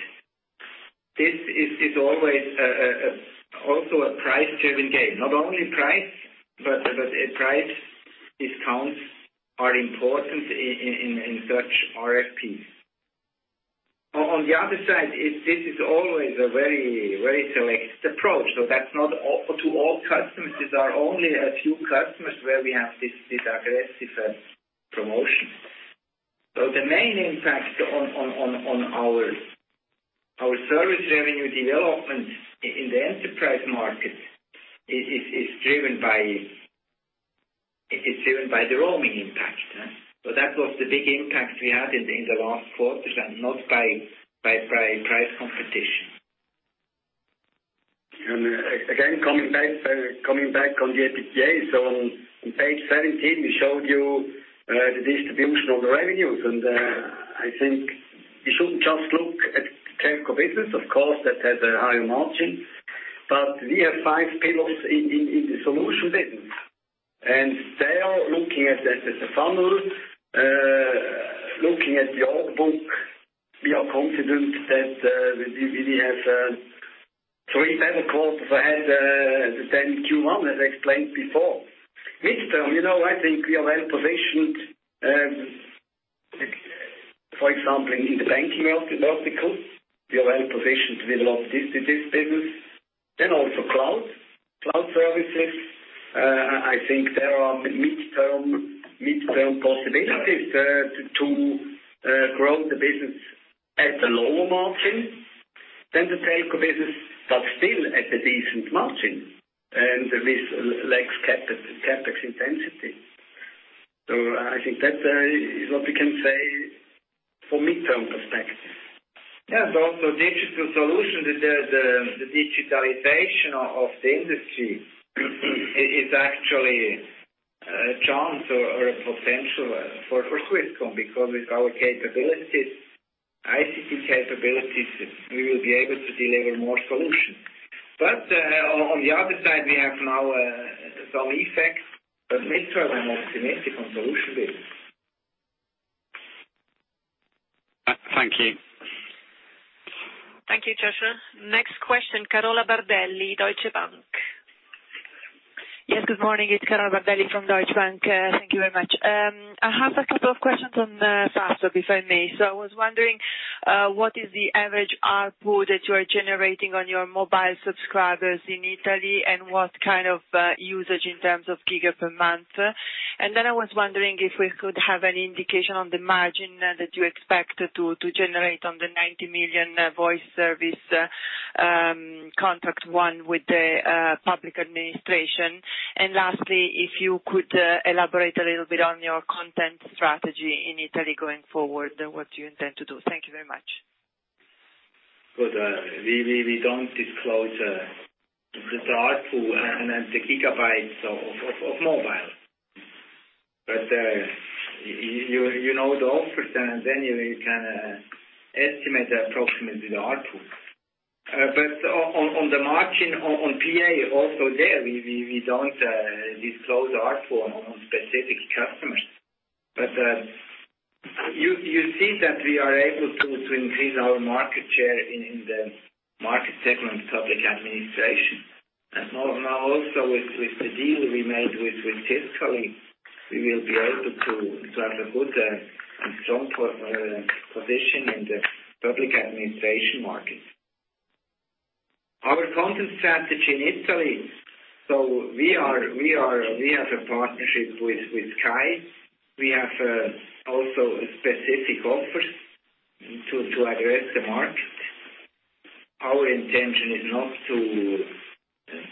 this is always also a price-driven game. Not only price, but price discounts are important in such RFPs. On the other side, this is always a very selective approach. That's not to all customers. These are only a few customers where we have this aggressive promotion. The main impact on our service revenue development in the enterprise market is driven by the roaming impact. That was the big impact we had in the last quarters and not by price competition. Again, coming back on the EBITDA. On page 17, we showed you the distribution of the revenues, I think we shouldn't just look at telco business. Of course, that has a higher margin, but we have five pillars in the solution business. There, looking at the funnel, looking at the order book, we are confident that we really have three better quarters ahead than Q1, as I explained before. Midterm, I think we are well-positioned, for example, in the banking verticals. We are well-positioned to develop this business. Also cloud services. I think there are midterm possibilities to grow the business at a lower margin than the telco business, but still at a decent margin, and with less CapEx intensity. I think that is what we can say for midterm perspective. Also digital solution, the digitalization of the industry is actually a chance or a potential for Swisscom because with our ICT capabilities, we will be able to deliver more solutions. On the other side, we have now some effects, midterm, I'm optimistic on solution business. Thank you. Thank you, Joshua. Next question, Carola Bardelli, Deutsche Bank. Good morning. It's Carola Bardelli from Deutsche Bank. Thank you very much. I have a couple of questions on Fastweb, if I may. I was wondering, what is the average ARPU that you are generating on your mobile subscribers in Italy, and what kind of usage in terms of gigabit per month? I was wondering if we could have any indication on the margin that you expect to generate on the 90 million voice service contract won with the public administration. Lastly, if you could elaborate a little bit on your content strategy in Italy going forward and what you intend to do. Thank you very much. We don't disclose the ARPU and the gigabytes of mobile. You know the offers, and then you can estimate approximately the ARPU. On the margin on PA, also there, we don't disclose ARPU on specific customers. You see that we are able to increase our market share in the market segment public administration. Now also with the deal we made with Tiscali, we will be able to have a good and strong position in the public administration market. Our content strategy in Italy. We have a partnership with Sky. We have also a specific offer to address the market. Our intention is not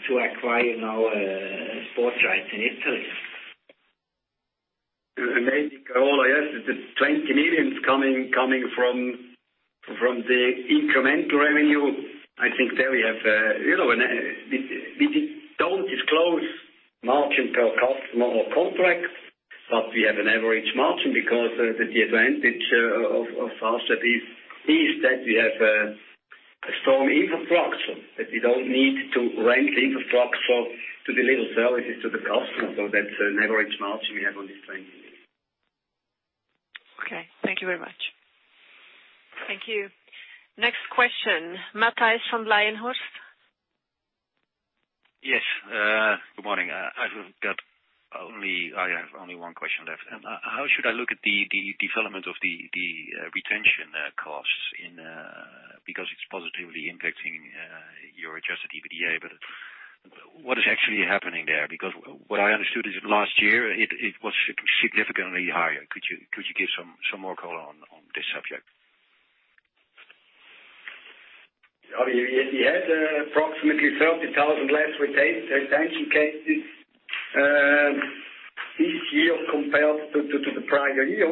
to acquire now sports rights in Italy. Maybe, Carola, the 20 million coming from the incremental revenue. We don't disclose margin per customer or contract, but we have an average margin because the advantage of Fastweb is that we have a strong infrastructure, that we don't need to rent infrastructure to deliver services to the customer. That's the average margin we have on this EUR 20 million. Thank you very much. Thank you. Next question, Matthijs Leijenhorst. Yes. Good morning. I have only one question left. How should I look at the development of the retention costs, because it's positively impacting your adjusted EBITDA. What is actually happening there? What I understood is last year it was significantly higher. Could you give some more color on this subject? We had approximately 30,000 less retention cases this year compared to the prior year.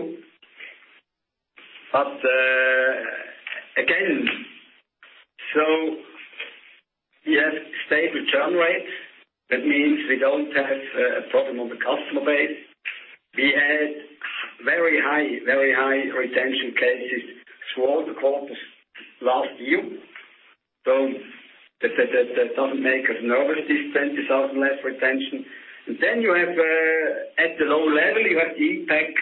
Again, we have stable churn rates. That means we don't have a problem on the customer base. We had very high retention cases through all the quarters last year. That doesn't make us nervous, this 20,000 less retention. Then at the low level, you have the impact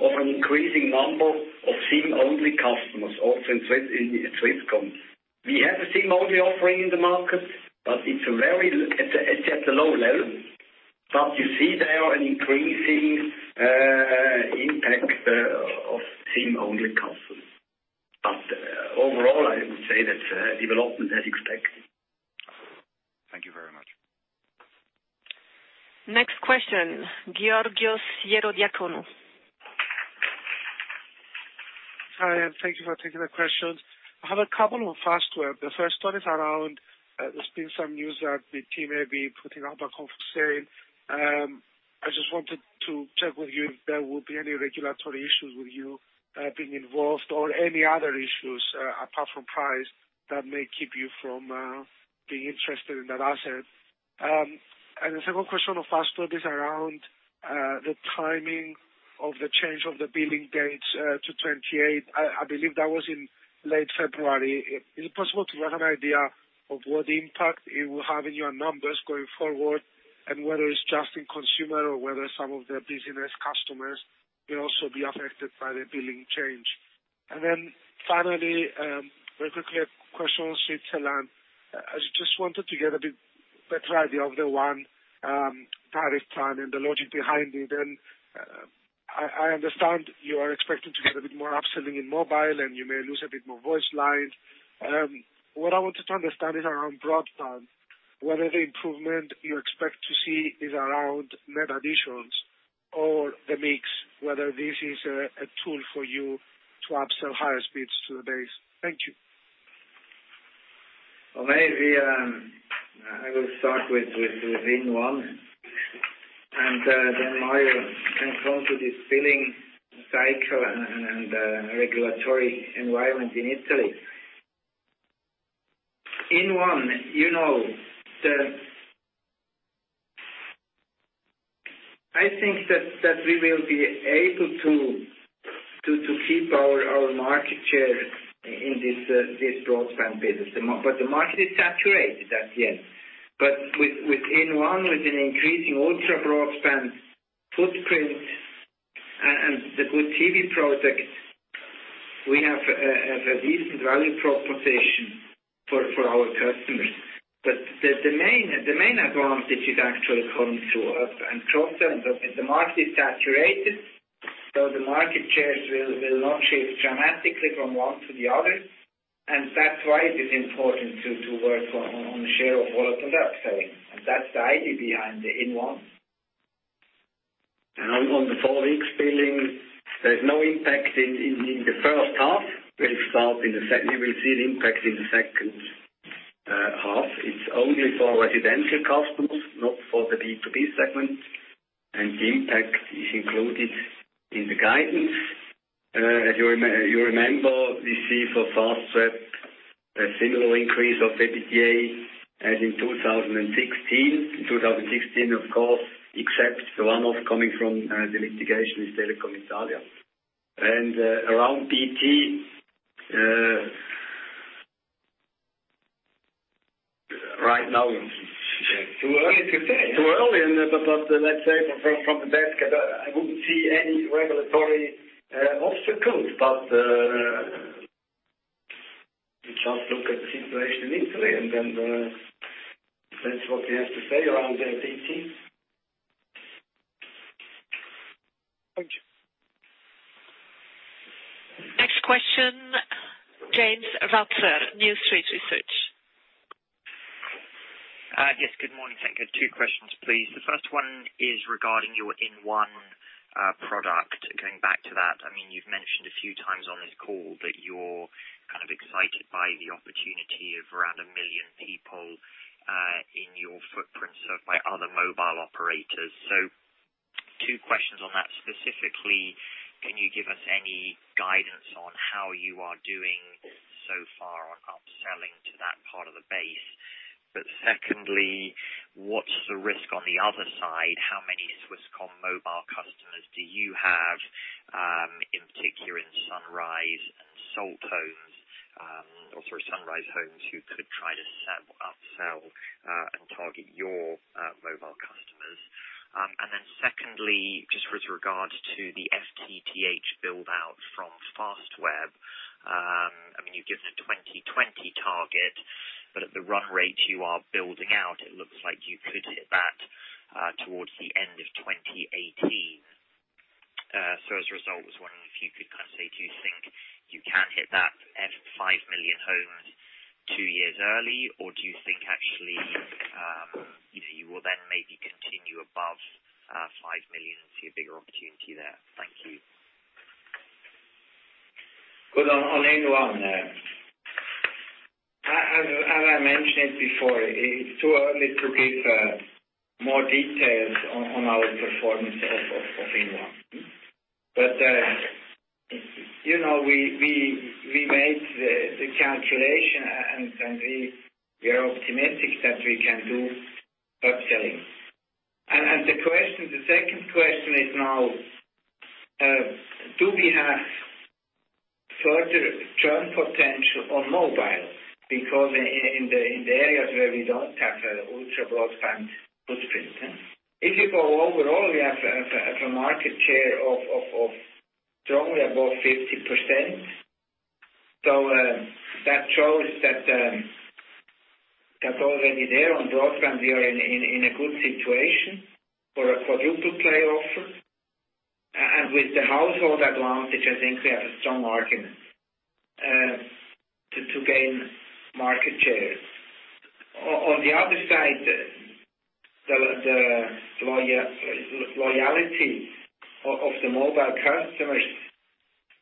of an increasing number of SIM-only customers, also in Swisscom. We have a SIM-only offering in the market, it's at a low level. You see there an increasing impact of SIM-only customers. Overall, I would say that development as expected. Thank you very much. Next question, Georgios Ierodiaconou. Hi. Thank you for taking the questions. I have a couple on Fastweb. The first one is around, there's been some news that BT may be putting up a conference sale. I just wanted to check with you if there will be any regulatory issues with you being involved or any other issues apart from price that may keep you from being interested in that asset. The second question on Fastweb is around the timing of the change of the billing date to 28. I believe that was in late February. Is it possible to have an idea of what impact it will have in your numbers going forward and whether it's just in consumer or whether some of the business customers will also be affected by the billing change? Finally, very quickly, a question on Switzerland. I just wanted to get a bit better idea of the inOne tariff plan and the logic behind it. I understand you are expecting to get a bit more upselling in mobile, and you may lose a bit more voice lines. What I wanted to understand is around broadband, whether the improvement you expect to see is around net additions or the mix, whether this is a tool for you to upsell higher speeds to the base. Thank you. Maybe I will start with inOne. Then Mario can come to this billing cycle and regulatory environment in Italy. inOne, I think that we will be able to keep our market share in this broadband business. The market is saturated at the end. With inOne, with an increasing ultra-broadband footprint and the good TV product We have a decent value proposition for our customers. The main advantage is actually coming to us and cross-sell. The market is saturated, so the market shares will not shift dramatically from one to the other. That's why it is important to work on the share of wallet upselling. That's the idea behind the inOne. On the four weeks billing, there's no impact in the first half. We will see the impact in the second half. It's only for residential customers, not for the B2B segment. The impact is included in the guidance. As you remember, we see for Fastweb, a similar increase of EBITDA as in 2016. In 2016, of course, except the one-off coming from the litigation with Telecom Italia. Around BT, right now. It's too early to say. Too early. Let's say from the desk, I wouldn't see any regulatory obstacles. We just look at the situation in Italy, and then that's what we have to say around the BT. Thank you. Next question, James Ratzer, New Street Research. Yes, good morning. Thank you. Two questions, please. The first one is regarding your inOne product. Going back to that. You've mentioned a few times on this call that you're excited by the opportunity of around 1 million people in your footprint served by other mobile operators. Two questions on that. Specifically, can you give us any guidance on how you are doing so far on upselling to that part of the base? Secondly, what's the risk on the other side? How many Swisscom Mobile customers do you have, in particular in Sunrise and Salt Home, who could try to upsell and target your mobile customers? Secondly, just with regard to the FTTH build-out from Fastweb. You've given a 2020 target, but at the run rate you are building out, it looks like you could hit that towards the end of 2018. As a result, I was wondering if you could say, do you think you can hit that 5 million homes two years early? Do you think actually you will then maybe continue above 5 million and see a bigger opportunity there? Thank you. Good. On inOne. As I mentioned it before, it's too early to give more details on our performance of inOne. We made the calculation, and we are optimistic that we can do upselling. The second question is now, do we have further churn potential on mobile? Because in the areas where we don't have ultra broadband footprint. If you go overall, we have a market share of strongly above 50%. That shows that already there on broadband, we are in a good situation for a quadruple play offer. With the household advantage, I think we have a strong argument to gain market share. On the other side, the loyalty of the mobile customers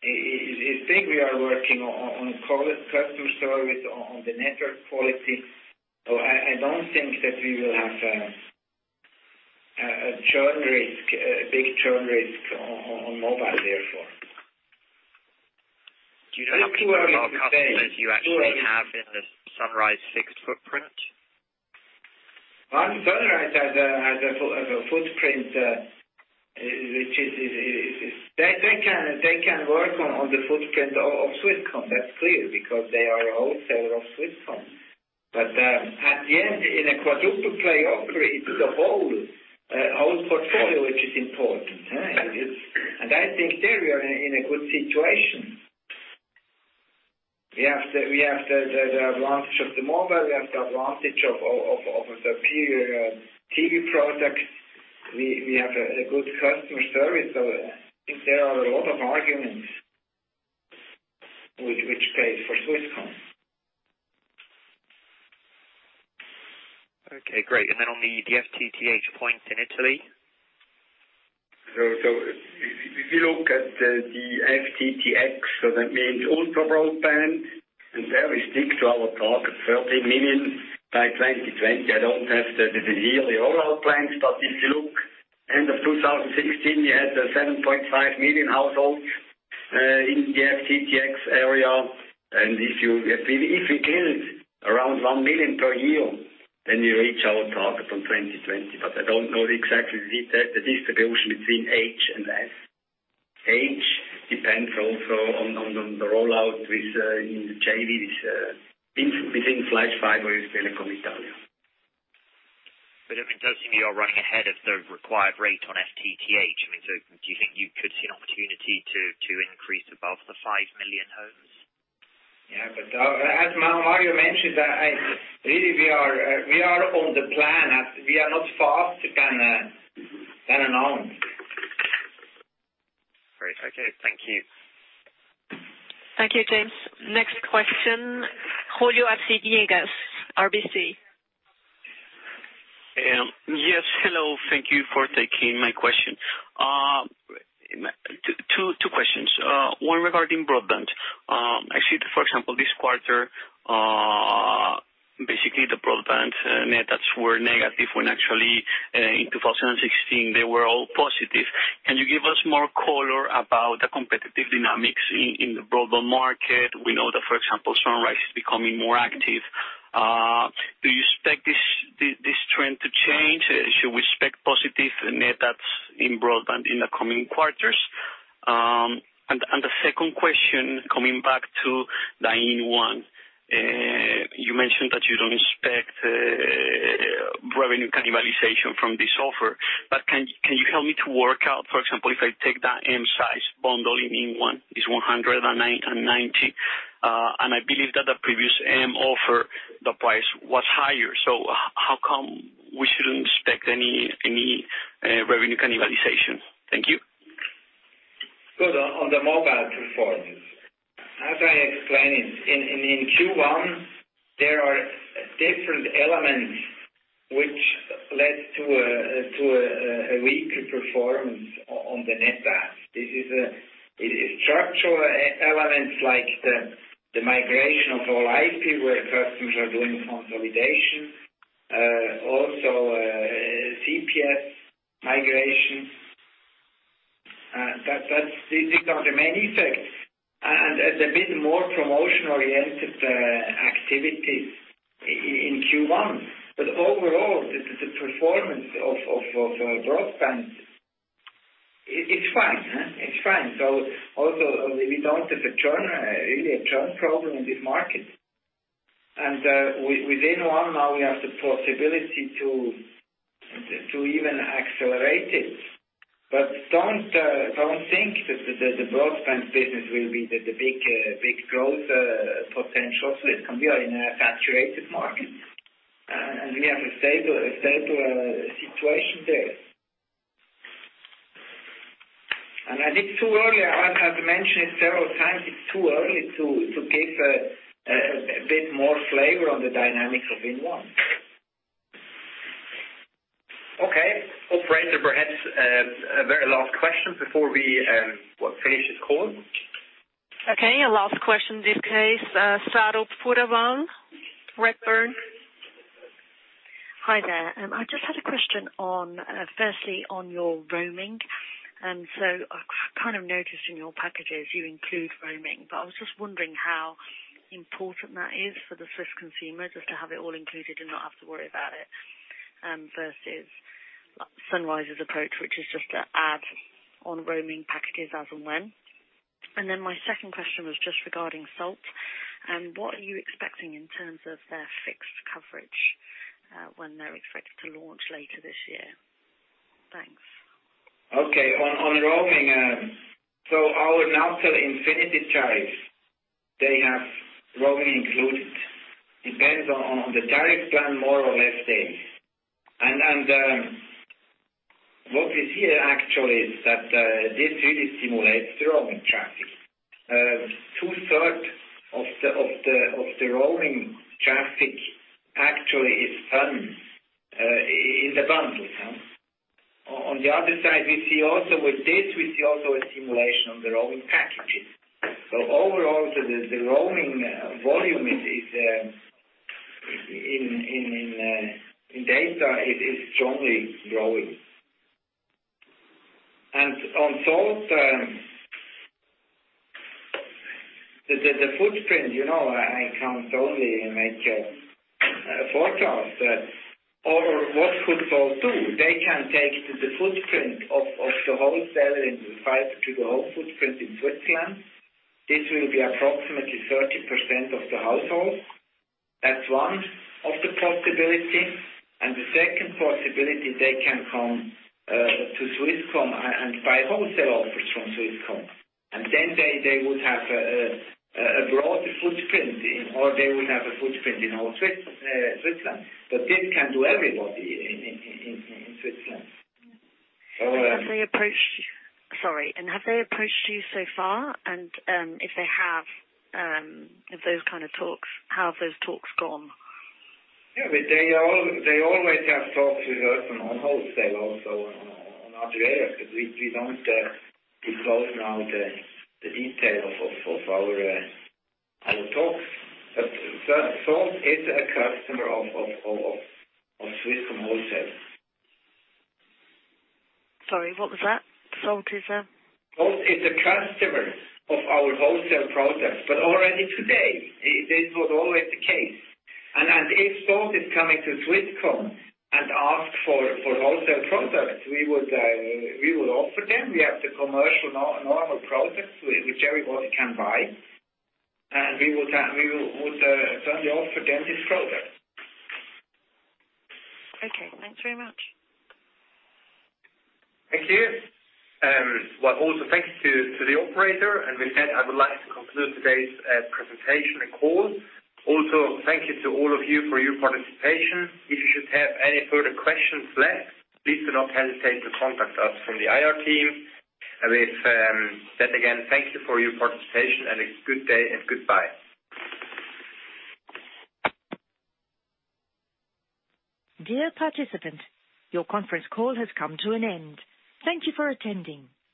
is big. We are working on customer service, on the network quality. I don't think that we will have a churn risk, a big churn risk on mobile, therefore. Do you know how many mobile customers you actually have in the Sunrise fixed footprint? Sunrise has a footprint. They can work on the footprint of Swisscom. That's clear, because they are a wholesaler of Swisscom. At the end, in a quadruple play offer, it's the whole portfolio which is important. I think there we are in a good situation. We have the advantage of the mobile, we have the advantage of the TV products. We have a good customer service. I think there are a lot of arguments which play for Swisscom. Okay, great. Then on the FTTH point in Italy. If you look at the FTTX, so that means ultra broadband. There we stick to our target, 13 million by 2020. I don't have the yearly rollout plans. If you look end of 2016, we had 7.5 million households in the FTTX area. If we build around 1 million per year, then we reach our target on 2020. I don't know exactly the distribution between H and S. H depends also on the rollout within the JV within Flash Fiber with Telecom Italia. It does seem you are running ahead of the required rate on FTTH. Do you think you could see an opportunity to increase above the 5 million homes? As Mario mentioned, really we are on the plan. We are not fast than announced. Great. Okay. Thank you. Thank you, James. Next question, Julio Arciniega, RBC. Yes. Hello. Thank you for taking my question. Two questions. One regarding broadband. I see that, for example, this quarter, basically the broadband net adds were negative when actually in 2016 they were all positive. Can you give us more color about the competitive dynamics in the broadband market? We know that, for example, Sunrise is becoming more active. Do you expect this trend to change? Should we expect positive net adds in broadband in the coming quarters? The second question, coming back to the inOne. You mentioned that you don't expect revenue cannibalization from this offer. Can you help me to work out, for example, if I take the M size bundle in inOne, it's 190. I believe that the previous M offer, the price was higher. How come we shouldn't expect any revenue cannibalization? Thank you. On the mobile performance, as I explained, in Q1, there are different elements which led to a weaker performance on the net adds. It is structural elements like the migration of All IP where customers are doing consolidation. Also CPS migration. These are the main effects. There's a bit more promotion-oriented activities in Q1. Overall, the performance of broadband, it's fine. Also, we don't have really a churn problem in this market. With inOne now we have the possibility to even accelerate it. Don't think that the broadband business will be the big growth potential for Swisscom. We are in a saturated market. We have a stable situation there. As I have mentioned several times, it's too early to give a bit more flavor on the dynamics of inOne. Okay. Operator, perhaps a very last question before we finish this call. Okay, our last question in this case, Sarab Purawang, Redburn. Hi there. I just had a question firstly, on your roaming. I noticed in your packages you include roaming, I was just wondering how important that is for the Swiss consumers just to have it all included and not have to worry about it, versus Sunrise's approach, which is just to add on roaming packages as and when. My second question was just regarding Salt. What are you expecting in terms of their fixed coverage when they're expected to launch later this year? Thanks. Okay. On roaming. Our Natel Infinity tariffs, they have roaming included. Depends on the tariff plan, more or less days. What we see actually is that this really stimulates the roaming traffic. Two-third of the roaming traffic actually is done in the bundles. On the other side, with this we see also a stimulation on the roaming packages. Overall, the roaming volume in data is strongly growing. On Salt, the footprint, I can't only make a forecast. What could Salt do? They can take the footprint of the wholesaler in fiber to the home footprint in Switzerland. This will be approximately 30% of the households. That's one of the possibilities. The second possibility, they can come to Swisscom and buy wholesale offers from Swisscom. They would have a broad footprint or they would have a footprint in all Switzerland. This can do everybody in Switzerland. Sorry. Have they approached you so far? If they have those kind of talks, how have those talks gone? They always have talks with us on wholesale also on other areas. We don't disclose now the detail of our talks. Salt is a customer of Swisscom Wholesale. Sorry, what was that? Salt is a? Salt is a customer of our wholesale products, already today. This was always the case. If Salt is coming to Swisscom and ask for wholesale products, we will offer them. We have the commercial normal products which everybody can buy. We would certainly offer them this product. Okay, thanks very much. Thank you. Well, also thanks to the operator. With that, I would like to conclude today's presentation and call. Thank you to all of you for your participation. If you should have any further questions left, please do not hesitate to contact us from the IR team. With that, again, thank you for your participation, and a good day and goodbye. Dear participant, your conference call has come to an end. Thank you for attending.